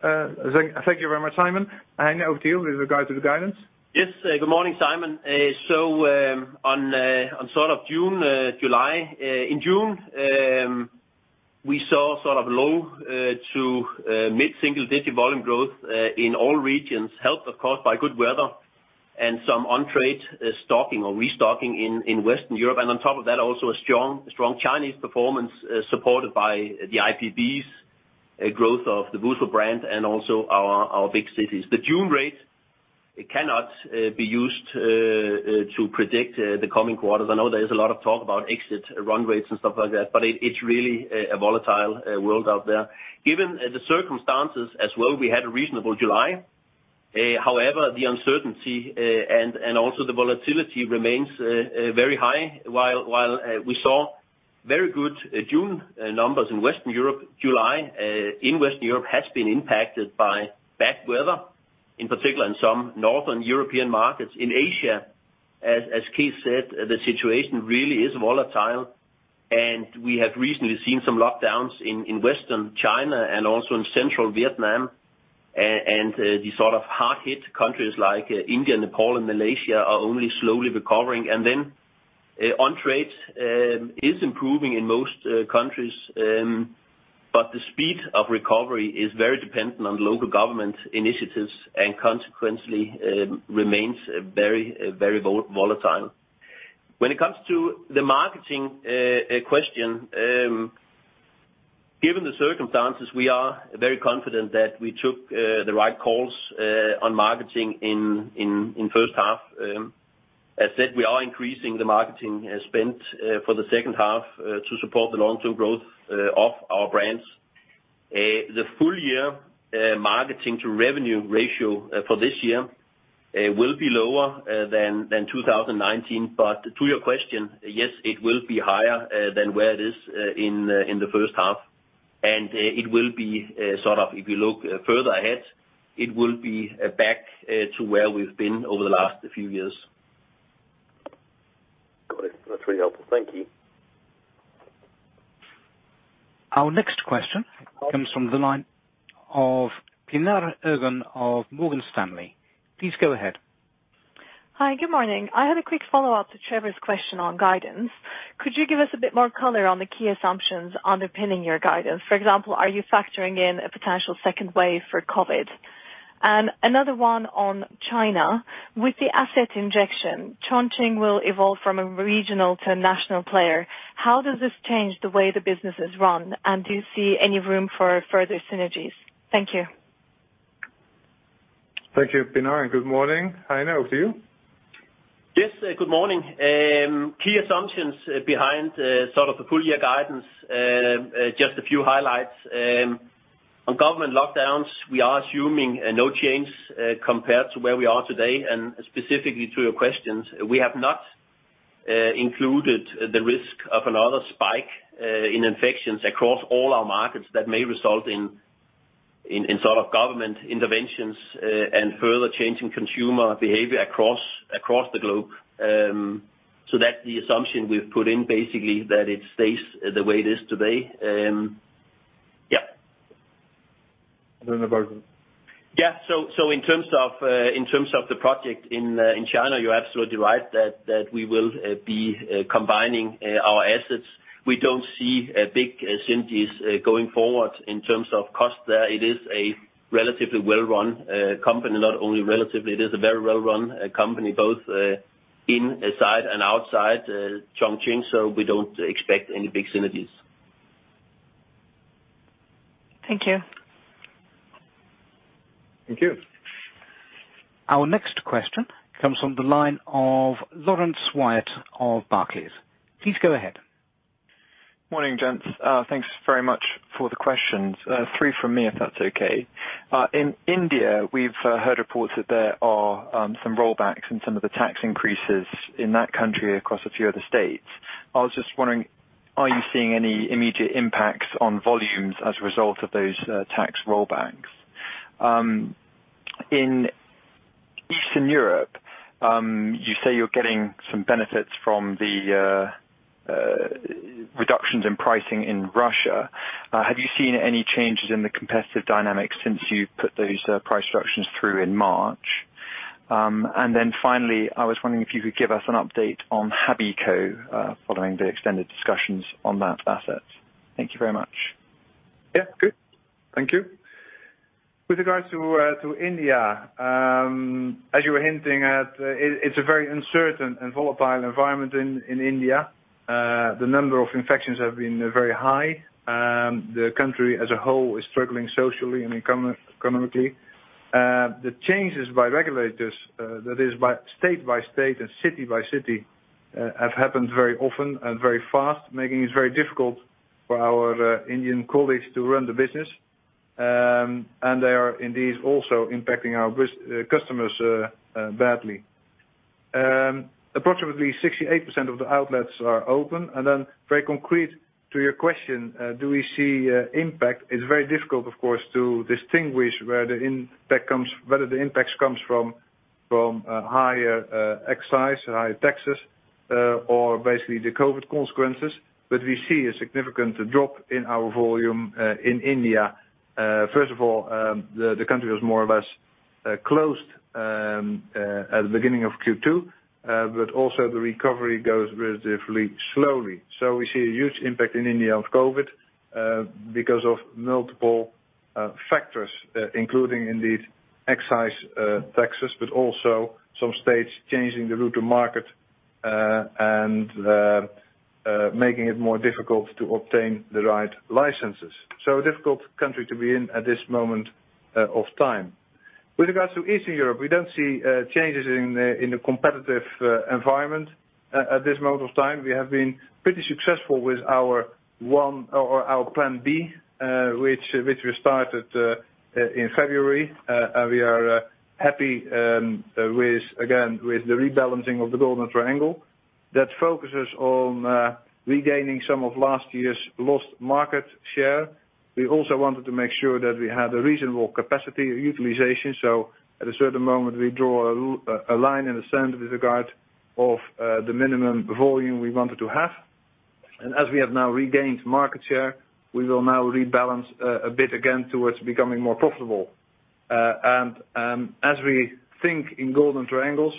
Thank you very much, Simon. Heine, over to you with regard to the guidance. Yes. Good morning, Simon. On June, July. In June, we saw low to mid-single-digit volume growth in all regions, helped of course by good weather and some on-trade stocking or restocking in Western Europe. On top of that, also a strong Chinese performance supported by the IPBs growth of the Wusu brand and also our big cities. The June rate cannot be used to predict the coming quarters. I know there is a lot of talk about exit run rates and stuff like that, but it's really a volatile world out there. Given the circumstances as well, we had a reasonable July. However, the uncertainty and also the volatility remains very high. While we saw very good June numbers in Western Europe, July in Western Europe has been impacted by bad weather, in particular in some Northern European markets. In Asia, as Cees said, the situation really is volatile. We have recently seen some lockdowns in Western China and also in Central Vietnam. The hard-hit countries like India, Nepal, and Malaysia are only slowly recovering. On-trade is improving in most countries, but the speed of recovery is very dependent on local government initiatives and consequently remains very volatile. When it comes to the marketing question, given the circumstances, we are very confident that we took the right calls on marketing in first half. As said, we are increasing the marketing spend for the second half to support the long-term growth of our brands. The full year marketing to revenue ratio for this year will be lower than 2019. To your question, yes, it will be higher than where it is in the first half, and it will be, if you look further ahead, it will be back to where we've been over the last few years. Got it. That's really helpful. Thank you. Our next question comes from the line of Pinar Ergun of Morgan Stanley. Please go ahead. Hi, good morning. I had a quick follow-up to Trevor's question on guidance. Could you give us a bit more color on the key assumptions underpinning your guidance? For example, are you factoring in a potential second wave for COVID? Another one on China. With the asset injection, Chongqing will evolve from a regional to a national player. How does this change the way the business is run, and do you see any room for further synergies? Thank you. Thank you, Pinar, and good morning. Heine, over to you. Yes. Good morning. Key assumptions behind the full year guidance, just a few highlights. On government lockdowns, we are assuming no change compared to where we are today, and specifically to your questions, we have not included the risk of another spike in infections across all our markets that may result in government interventions and further change in consumer behavior across the globe. That's the assumption we've put in, basically, that it stays the way it is today. Yeah. And then about. Yeah. In terms of the project in China, you're absolutely right that, we will be combining our assets. We don't see big synergies going forward in terms of cost there. It is a relatively well-run company, not only relatively, it is a very well-run company, both inside and outside Chongqing, so we don't expect any big synergies. Thank you. Thank you. Our next question comes from the line of Laurence Whyatt of Barclays. Please go ahead. Morning, gents. Thanks very much for the questions. Three from me, if that's okay. In India, we've heard reports that there are some rollbacks in some of the tax increases in that country across a few other states. I was just wondering, are you seeing any immediate impacts on volumes as a result of those tax rollbacks? In Eastern Europe, you say you're getting some benefits from the reductions in pricing in Russia. Have you seen any changes in the competitive dynamics since you put those price reductions through in March? Then finally, I was wondering if you could give us an update on Habeco, following the extended discussions on that asset. Thank you very much. Yeah. Good. Thank you. With regards to India, as you were hinting at, it's a very uncertain and volatile environment in India. The number of infections have been very high. The country as a whole is struggling socially and economically. The changes by regulators, that is by state by state and city by city, have happened very often and very fast, making it very difficult for our Indian colleagues to run the business. They are indeed also impacting our customers badly. Approximately 68% of the outlets are open. Very concrete to your question, do we see impact? It's very difficult, of course, to distinguish whether the impacts comes from higher excise, higher taxes, or basically the COVID consequences. We see a significant drop in our volume, in India. The country was more or less closed at the beginning of Q2, also the recovery goes relatively slowly. We see a huge impact in India of COVID, because of multiple factors, including indeed excise taxes, also some states changing the route to market, and making it more difficult to obtain the right licenses. A difficult country to be in at this moment of time. With regards to Eastern Europe, we don't see changes in the competitive environment at this moment of time. We have been pretty successful with our plan B, which we started in February. We are happy, again, with the rebalancing of the Golden Triangle that focuses on regaining some of last year's lost market share. We also wanted to make sure that we had a reasonable capacity utilization. At a certain moment, we draw a line in the sand with regard of the minimum volume we wanted to have. As we have now regained market share, we will now rebalance a bit again towards becoming more profitable. As we think in Golden Triangles,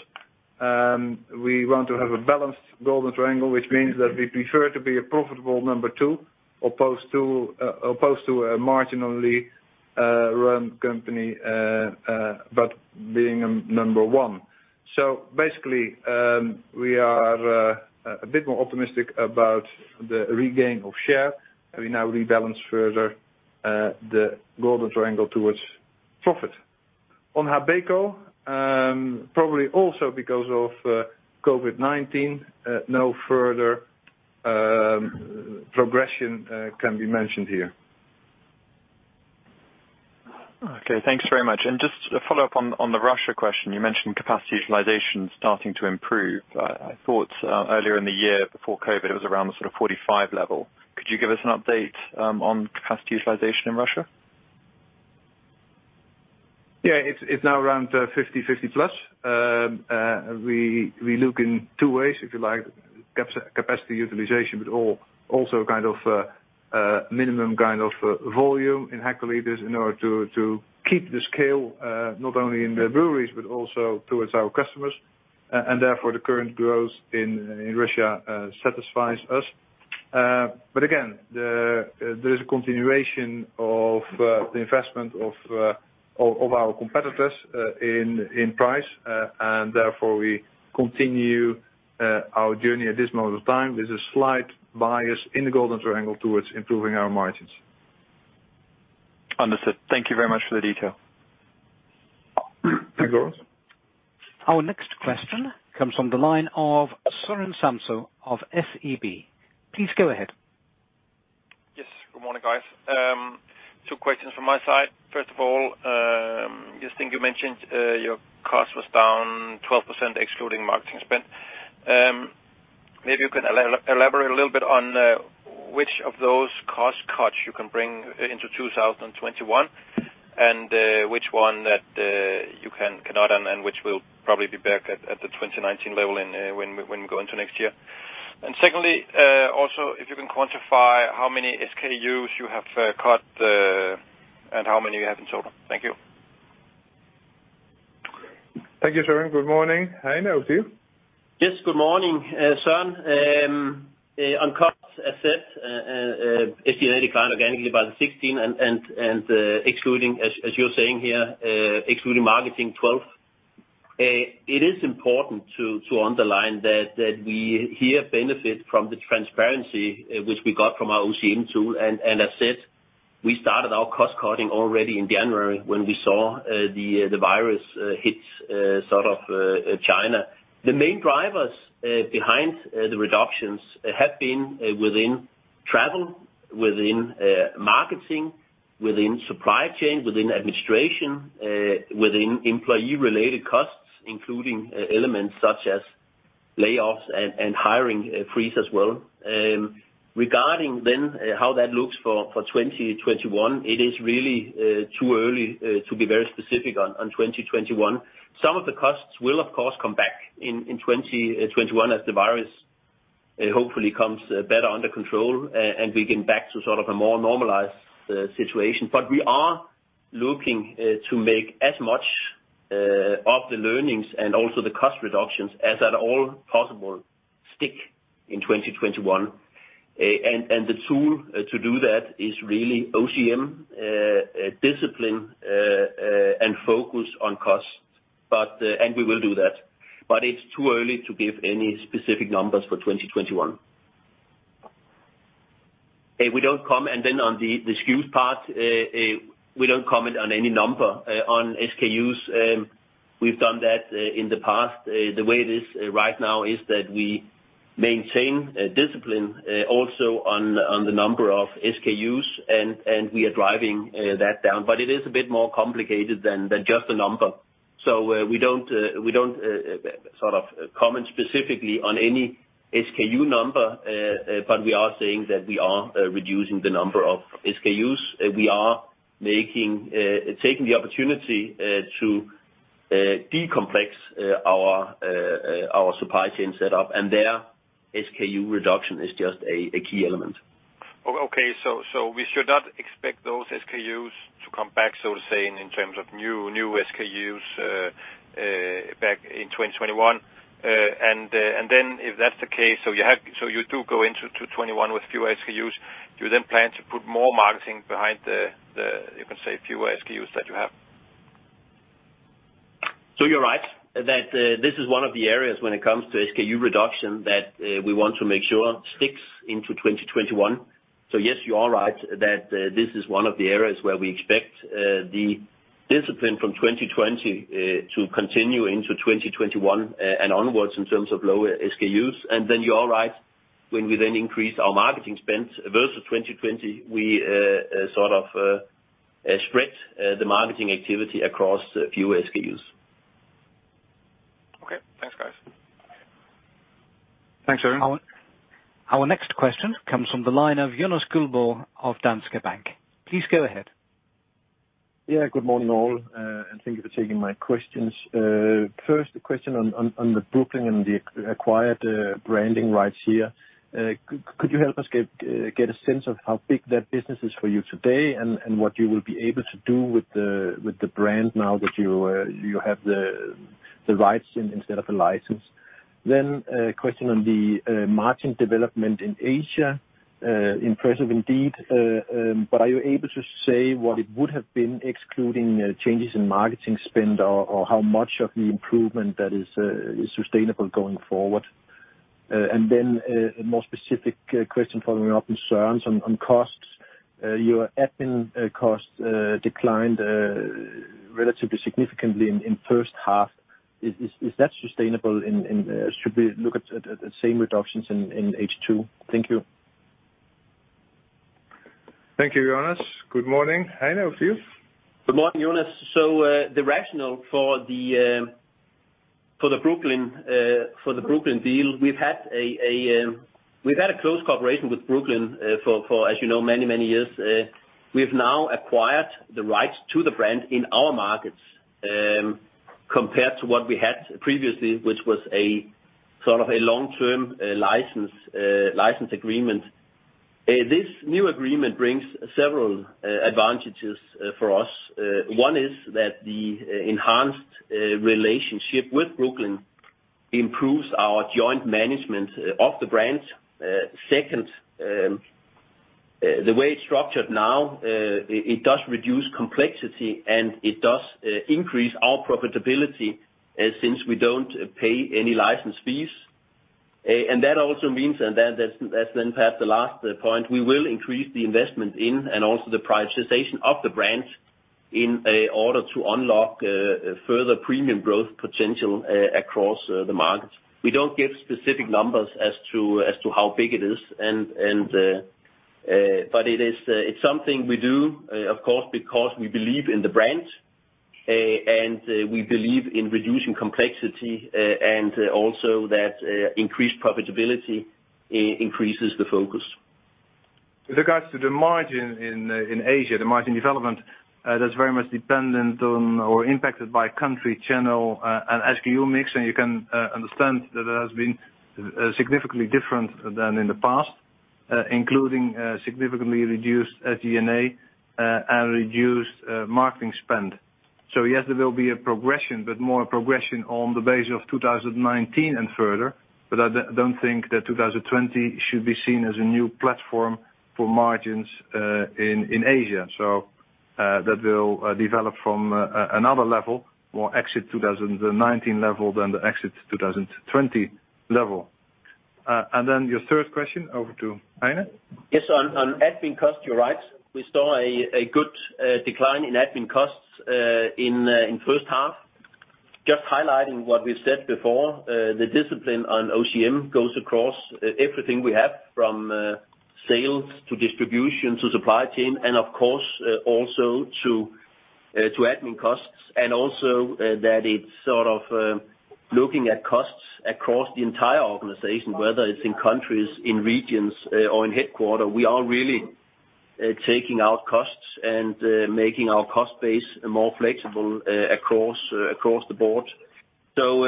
we want to have a balanced Golden Triangle, which means that we prefer to be a profitable number two opposed to a marginally run company, but being a number one. Basically, we are a bit more optimistic about the regain of share, and we now rebalance further the Golden Triangle towards profit. On Habeco, probably also because of COVID-19, no further progression can be mentioned here. Okay. Thanks very much. Just a follow-up on the Russia question. You mentioned capacity utilization starting to improve. I thought earlier in the year before COVID-19, it was around the sort of 45 level. Could you give us an update on capacity utilization in Russia? It's now around 50%+. We look in two ways, if you like, capacity utilization, but also minimum volume in hectoliters in order to keep the scale, not only in the breweries but also towards our customers. Therefore the current growth in Russia satisfies us. Again, there is a continuation of the investment of our competitors in price, and therefore we continue our journey at this moment of time with a slight bias in the Golden Triangle towards improving our margins. Understood. Thank you very much for the detail. Thanks, Laurence. Our next question comes from the line of Søren Samsøe of SEB. Please go ahead. Good morning, guys. Two questions from my side. First of all, I just think you mentioned your cost was down 12% excluding marketing spend. Maybe you can elaborate a little bit on which of those cost cuts you can bring into 2021, and which one that you cannot, and which will probably be back at the 2019 level when we go into next year. Secondly, also if you can quantify how many SKUs you have cut, and how many you have in total. Thank you. Thank you, Søren. Good morning. Heine, over to you. Yes, good morning. Søren, on costs, as said, SG&A decline organically by the 16% and excluding, as you're saying here, excluding marketing 12%. It is important to underline that we here benefit from the transparency which we got from our OCM tool, and as said, we started our cost-cutting already in January when we saw the virus hit China. The main drivers behind the reductions have been within travel, within marketing, within supply chain, within administration, within employee-related costs, including elements such as layoffs and hiring freeze as well. Regarding then how that looks for 2021, it is really too early to be very specific on 2021. Some of the costs will of course come back in 2021 as the virus hopefully comes better under control and we get back to a more normalized situation. We are looking to make as much of the learnings and also the cost reductions as at all possible stick in 2021. The tool to do that is really OCM discipline and focus on costs. We will do that, but it's too early to give any specific numbers for 2021. On the SKUs part, we don't comment on any number on SKUs. We've done that in the past. The way it is right now is that we maintain discipline also on the number of SKUs, and we are driving that down, but it is a bit more complicated than just a number. We don't comment specifically on any SKU number, but we are saying that we are reducing the number of SKUs. We are taking the opportunity to decomplex our supply chain set up, and there SKU reduction is just a key element. Okay, we should not expect those SKUs to come back, so to say, in terms of new SKUs back in 2021. If that's the case, you do go into 2021 with fewer SKUs, do you then plan to put more marketing behind the, you can say, fewer SKUs that you have? You're right. That this is one of the areas when it comes to SKU reduction that we want to make sure sticks into 2021. Yes, you are right that this is one of the areas where we expect the discipline from 2020 to continue into 2021, and onwards in terms of lower SKUs. You are right, when we then increase our marketing spend versus 2020, we spread the marketing activity across fewer SKUs. Okay. Thanks, guys. Thanks, Søren. Our next question comes from the line of Jonas Guldborg of Danske Bank. Please go ahead. Yeah, good morning, all, and thank you for taking my questions. First question on the Brooklyn and the acquired branding rights here. Could you help us get a sense of how big that business is for you today and what you will be able to do with the brand now that you have the rights instead of a license? A question on the margin development in Asia. Impressive indeed. Are you able to say what it would have been excluding changes in marketing spend or how much of the improvement that is sustainable going forward? A more specific question following up with Søren on costs. Your admin costs declined relatively significantly in first half. Is that sustainable and should we look at the same reductions in H2? Thank you. Thank you, Jonas. Good morning. Heine, over to you. Good morning, Jonas. The rationale for the Brooklyn deal, we've had a close cooperation with Brooklyn for, as you know, many, many years. We've now acquired the rights to the brand in our markets, compared to what we had previously, which was a long-term license agreement. This new agreement brings several advantages for us. One is that the enhanced relationship with Brooklyn improves our joint management of the brands. Second, the way it's structured now, it does reduce complexity, and it does increase our profitability since we don't pay any license fees. That also means, and that's then perhaps the last point, we will increase the investment in and also the prioritization of the brands in order to unlock further premium growth potential across the markets. We don't give specific numbers as to how big it is. It's something we do, of course, because we believe in the brand, and we believe in reducing complexity, and also that increased profitability increases the focus. With regards to the margin in Asia, the margin development, that is very much dependent on or impacted by country, channel, and SKU mix. You can understand that it has been significantly different than in the past, including significantly reduced SG&A and reduced marketing spend. Yes, there will be a progression, but more progression on the base of 2019 and further. I do not think that 2020 should be seen as a new platform for margins in Asia. That will develop from another level, more exit 2019 level than the exit 2020 level. Your third question, over to Heine? Yes, on admin costs, you're right. We saw a good decline in admin costs in first half. Just highlighting what we said before, the discipline on OCM goes across everything we have, from sales to distribution to supply chain, and of course, also to admin costs. Also that it's looking at costs across the entire organization, whether it's in countries, in regions, or in headquarters. We are really taking out costs and making our cost base more flexible across the board. Some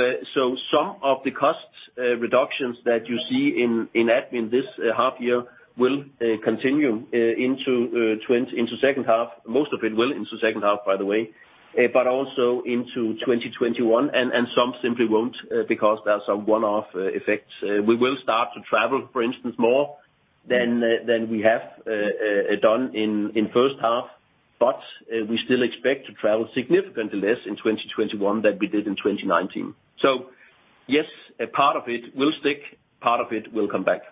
of the costs reductions that you see in admin this half year will continue into second half. Most of it will into second half, by the way, but also into 2021. Some simply won't, because there are some one-off effects. We will start to travel, for instance, more than we have done in first half. We still expect to travel significantly less in 2021 than we did in 2019. Yes, a part of it will stick. Part of it will come back.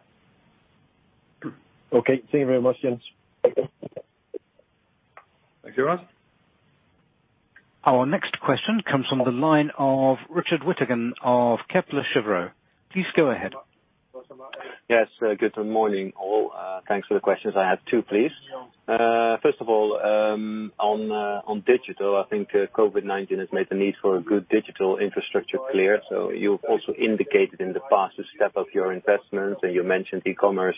Okay. Thank you very much, gents. Thank you. Our next question comes from the line of Richard Withagen of Kepler Cheuvreux. Please go ahead. Good morning, all. Thanks for the questions. I have two, please. First of all, on digital, I think COVID-19 has made the need for a good digital infrastructure clear. You also indicated in the past the step of your investments, and you mentioned e-commerce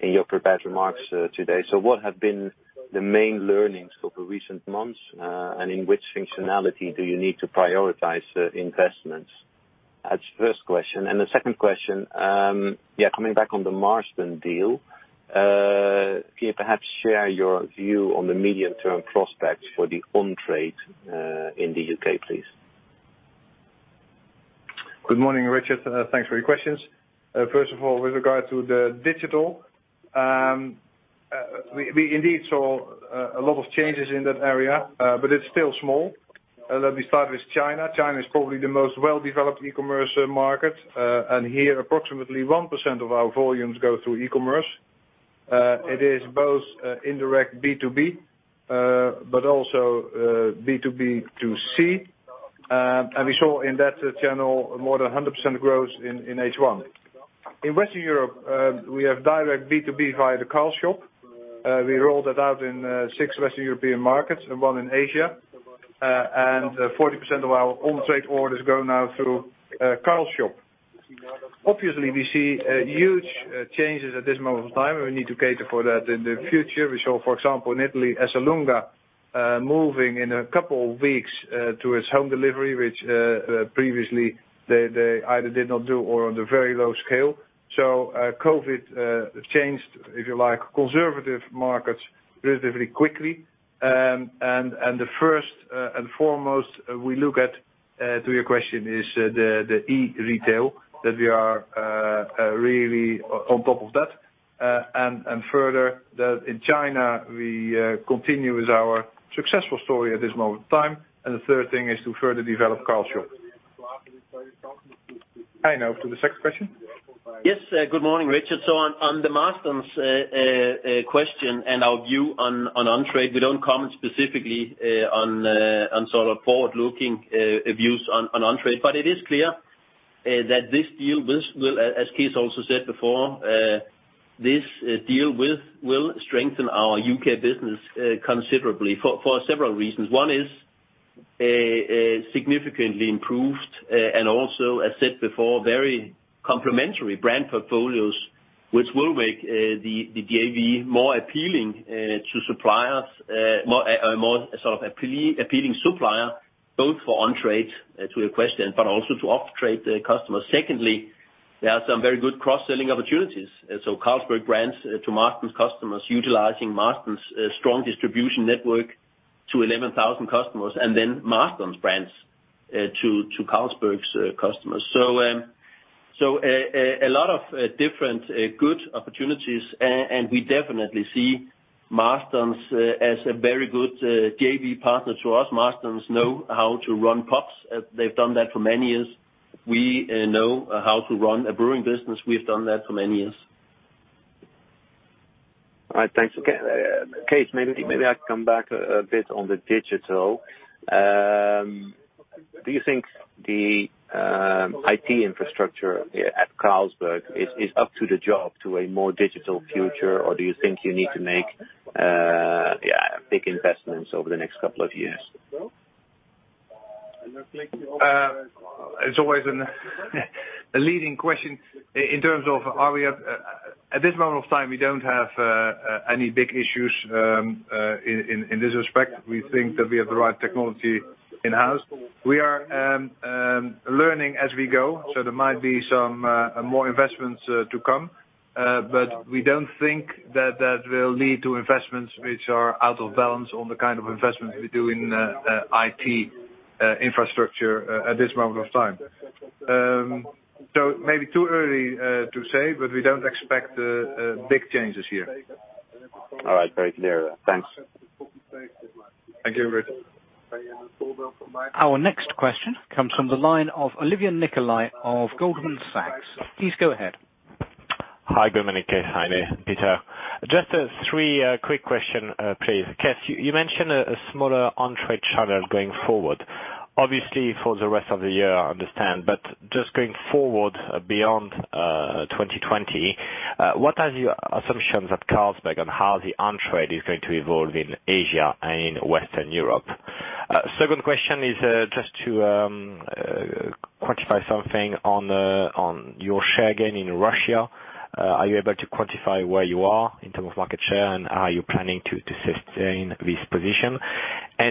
in your prepared remarks today. What have been the main learnings over recent months, and in which functionality do you need to prioritize investments? That's the first question. The second question, coming back on the Marston deal, can you perhaps share your view on the medium-term prospects for the on-trade in the U.K., please? Good morning, Richard. Thanks for your questions. First of all, with regard to the digital, we indeed saw a lot of changes in that area, but it's still small. Let me start with China. China is probably the most well-developed e-commerce market. Here, approximately 1% of our volumes go through e-commerce. It is both indirect B2B, but also B2B2C. We saw in that channel more than 100% growth in H1. In Western Europe, we have direct B2B via the Carl's Shop. We rolled that out in six Western European markets and one in Asia, and 40% of our on-trade orders go now through Carl's Shop. Obviously, we see huge changes at this moment of time, and we need to cater for that in the future. We saw, for example, in Italy, Esselunga moving in a couple of weeks to its home delivery, which previously they either did not do or on a very low scale. COVID changed, if you like, conservative markets relatively quickly. The first and foremost we look at, to your question, is the e-retail, that we are really on top of that. Further, that in China, we continue with our successful story at this moment in time. The third thing is to further develop Carl's Shop. Heine, for the second question. Yes. Good morning, Richard. On the Marston's question and our view on on-trade, we don't comment specifically on forward-looking views on on-trade. It is clear that this deal, as Cees also said before, this deal will strengthen our U.K. business considerably for several reasons. One is significantly improved, and also, as said before, very complementary brand portfolios, which will make the JV more appealing to suppliers, a more appealing supplier, both for on-trade, to your question, but also to off-trade customers. Secondly, there are some very good cross-selling opportunities. Carlsberg brands to Marston's customers, utilizing Marston's strong distribution network to 11,000 customers, then Marston's brands to Carlsberg's customers. A lot of different good opportunities, and we definitely see Marston's as a very good JV partner to us. Marston's know how to run pubs. They've done that for many years. We know how to run a brewing business. We've done that for many years. All right, thanks. Cees, maybe I can come back a bit on the digital. Do you think the IT infrastructure at Carlsberg is up to the job to a more digital future or do you think you need to make big investments over the next couple of years? It's always a leading question. At this moment of time, we don't have any big issues in this respect. We think that we have the right technology in-house. We are learning as we go, so there might be some more investments to come. We don't think that will lead to investments which are out of balance on the kind of investments we do in IT infrastructure at this moment of time. Maybe too early to say, but we don't expect big changes here. All right. Very clear then. Thanks. Thank you. Our next question comes from the line of Olivier Nicolai of Goldman Sachs. Please go ahead. Hi. Good morning Cees, Heine, Peter. Just three quick question, please. Cees, you mentioned a smaller on-trade channel going forward, obviously, for the rest of the year, I understand, but just going forward beyond 2020, what are your assumptions at Carlsberg on how the on-trade is going to evolve in Asia and in Western Europe? Second question is just to quantify something on your share gain in Russia. Are you able to quantify where you are in terms of market share, and are you planning to sustain this position?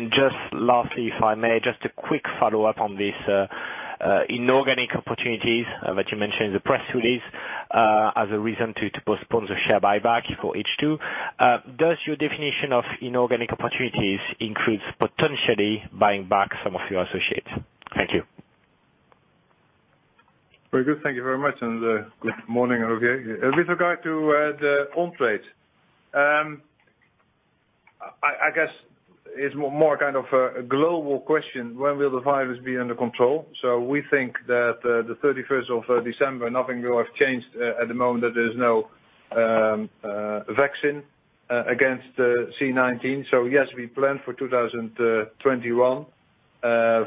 Just lastly, if I may, just a quick follow-up on this inorganic opportunities that you mentioned in the press release as a reason to postpone the share buyback for H2. Does your definition of inorganic opportunities includes potentially buying back some of your associates? Thank you. Very good. Thank you very much. Good morning, Olivier. With regard to the on-trade, I guess it's more a global question, when will the virus be under control? We think that the 31st of December, nothing will have changed at the moment. There's no vaccine against C-19. Yes, we plan for 2021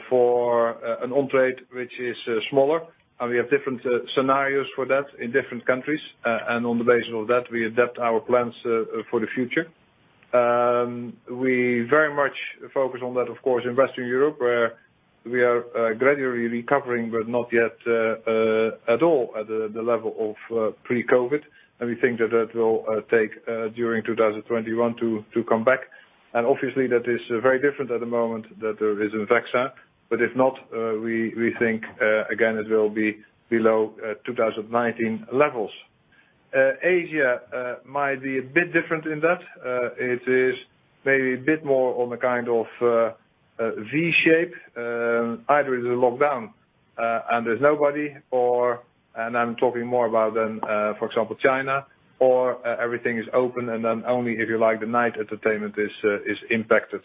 for an on-trade which is smaller, and we have different scenarios for that in different countries. On the basis of that, we adapt our plans for the future. We very much focus on that, of course, in Western Europe, where we are gradually recovering, but not yet at all at the level of pre-COVID. We think that will take during 2021 to come back. Obviously that is very different at the moment that there is a vaccine. If not, we think, again, it will be below 2019 levels. Asia might be a bit different in that. It is maybe a bit more on a kind of V-shape. Either it's a lockdown and there's nobody, and I'm talking more about, for example, China, or everything is open and only if you like the night entertainment is impacted.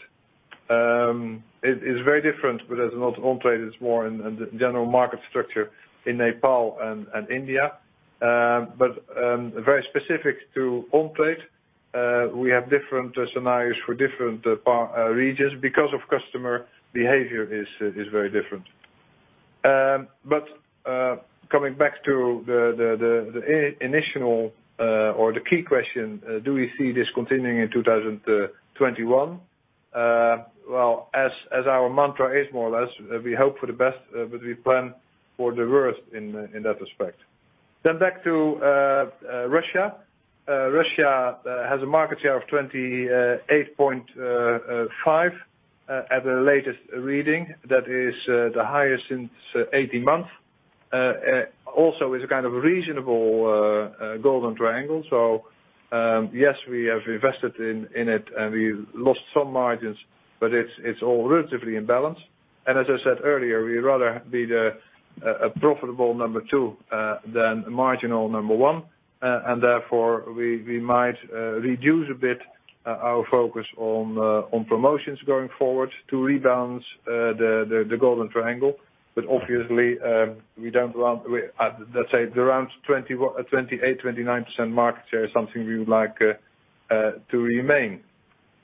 It's very different, as an on-trade, it's more in the general market structure in Nepal and India. Very specific to on-trade, we have different scenarios for different regions because customer behavior is very different. Coming back to the initial or the key question, do we see this continuing in 2021? Well, as our mantra is more or less, we hope for the best, but we plan for the worst in that respect. Back to Russia. Russia has a market share of 28.5% at the latest reading. That is the highest since 18 months. Is a kind of reasonable Golden Triangle. Yes, we have invested in it, we lost some margins, it's all relatively in balance. As I said earlier, we'd rather be the profitable number two than marginal number one, and therefore, we might reduce a bit our focus on promotions going forward to rebalance the Golden Triangle. Obviously, let's say the around 28%, 29% market share is something we would like to remain.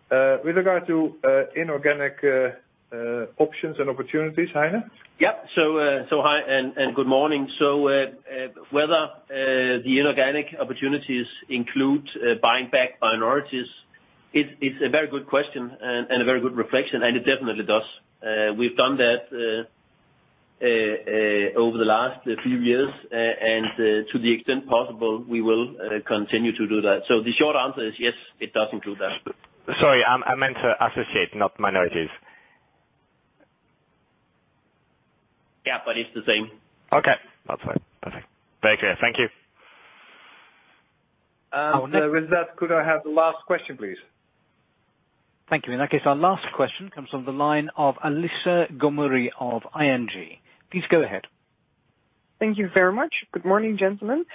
With regard to inorganic options and opportunities, Heine? Yeah. Hi, and good morning. Whether the inorganic opportunities include buying back minorities, it's a very good question and a very good reflection, and it definitely does. We've done that over the last few years, and to the extent possible, we will continue to do that. The short answer is yes, it does include that. Sorry, I meant associate, not minorities. Yeah, it's the same. Okay. That's fine. Perfect. Very clear. Thank you. With that, could I have the last question, please? Thank you. In that case, our last question comes from the line of Alyssa Gammoudy of ING. Please go ahead. Thank you very much. Good morning, gentlemen.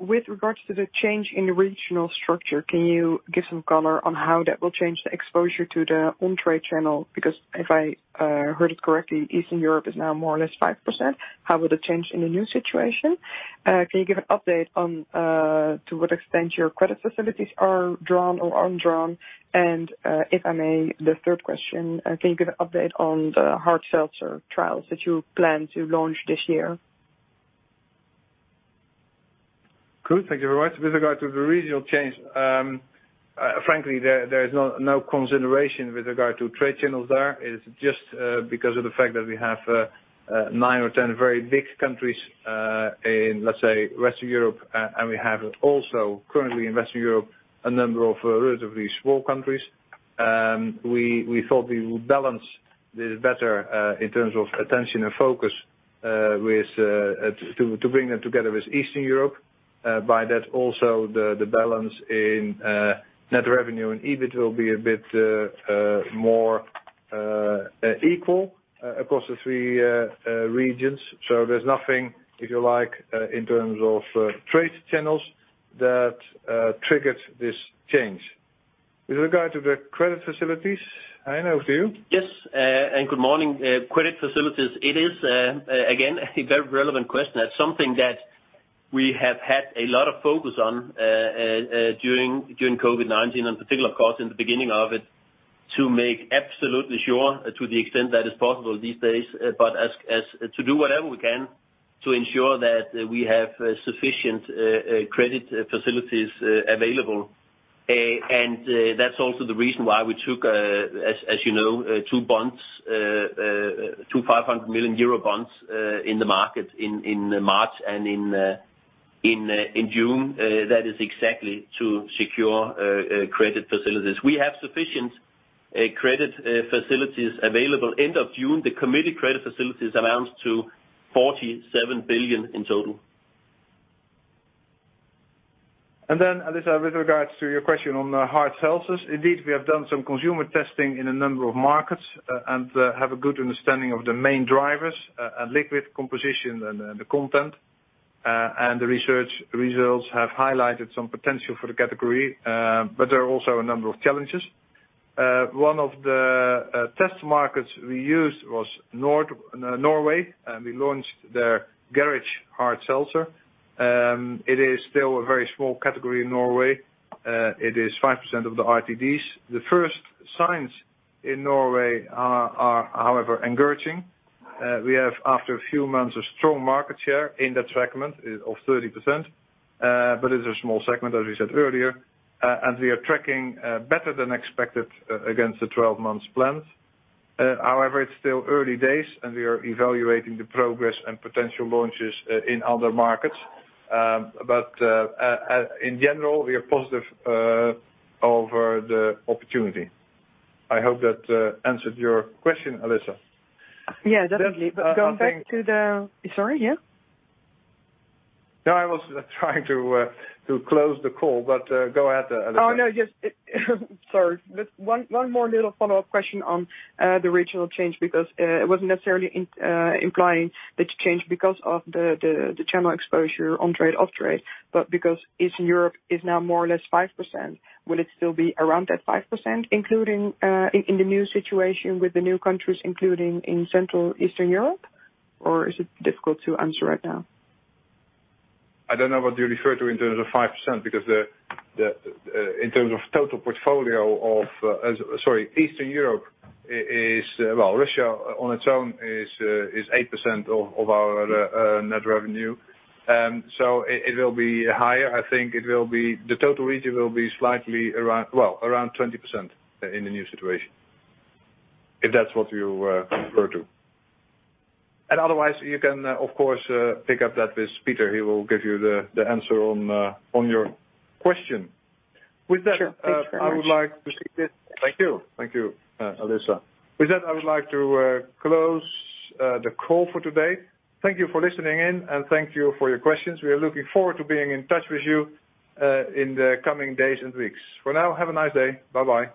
With regards to the change in regional structure, can you give some color on how that will change the exposure to the on-trade channel? If I heard it correctly, Eastern Europe is now more or less 5%. How would it change in the new situation? Can you give an update on to what extent your credit facilities are drawn or aren't drawn? If I may, the third question, can you give an update on the hard seltzer trials that you plan to launch this year? Good. Thank you very much. With regard to the regional change, frankly, there is no consideration with regard to trade channels there. It is just because of the fact that we have nine or 10 very big countries in, let's say, Western Europe, and we have also currently in Western Europe, a number of relatively small countries. We thought we would balance this better, in terms of attention and focus, to bring them together with Eastern Europe. By that, also the balance in net revenue and EBIT will be a bit more equal across the three regions. There's nothing, if you like, in terms of trade channels that triggered this change. With regard to the credit facilities, Heine over to you. Yes. Good morning. Credit facilities. It is, again, a very relevant question. That's something that we have had a lot of focus on during COVID-19, and particularly, of course, in the beginning of it, to make absolutely sure, to the extent that is possible these days, to do whatever we can to ensure that we have sufficient credit facilities available. That's also the reason why we took, as you know, two bonds, two 500 million euro bonds, in the market in March and in June. That is exactly to secure credit facilities. We have sufficient credit facilities available. End of June, the committed credit facilities amounts to 47 billion in total. Alyssa, with regards to your question on the hard seltzers, indeed, we have done some consumer testing in a number of markets and have a good understanding of the main drivers, liquid composition and the content. The research results have highlighted some potential for the category, but there are also a number of challenges. One of the test markets we used was Norway, and we launched the Garage hard seltzer. It is still a very small category in Norway. It is 5% of the RTDs. The first signs in Norway are, however, encouraging. We have, after a few months, a strong market share in that segment of 30%, but it's a small segment, as we said earlier. We are tracking better than expected against the 12 months plans. It's still early days, and we are evaluating the progress and potential launches in other markets. In general, we are positive over the opportunity. I hope that answered your question, Alyssa. Yeah, definitely. Sorry, yeah? No, I was trying to close the call, but go ahead, Alyssa. Sorry. One more little follow-up question on the regional change, because it wasn't necessarily implying that you changed because of the channel exposure on-trade, off-trade, but because Eastern Europe is now more or less 5%, will it still be around that 5%, in the new situation with the new countries, including in Central Eastern Europe? Or is it difficult to answer right now? I don't know what you refer to in terms of 5%, because in terms of total portfolio, Russia on its own is 8% of our net revenue. It will be higher. I think the total region will be slightly around 20% in the new situation, if that's what you refer to. Otherwise, you can, of course, pick up that with Peter. He will give you the answer on your question. Sure. Thanks very much. Thank you, Alyssa. With that, I would like to close the call for today. Thank you for listening in, and thank you for your questions. We are looking forward to being in touch with you in the coming days and weeks. For now, have a nice day. Bye-bye.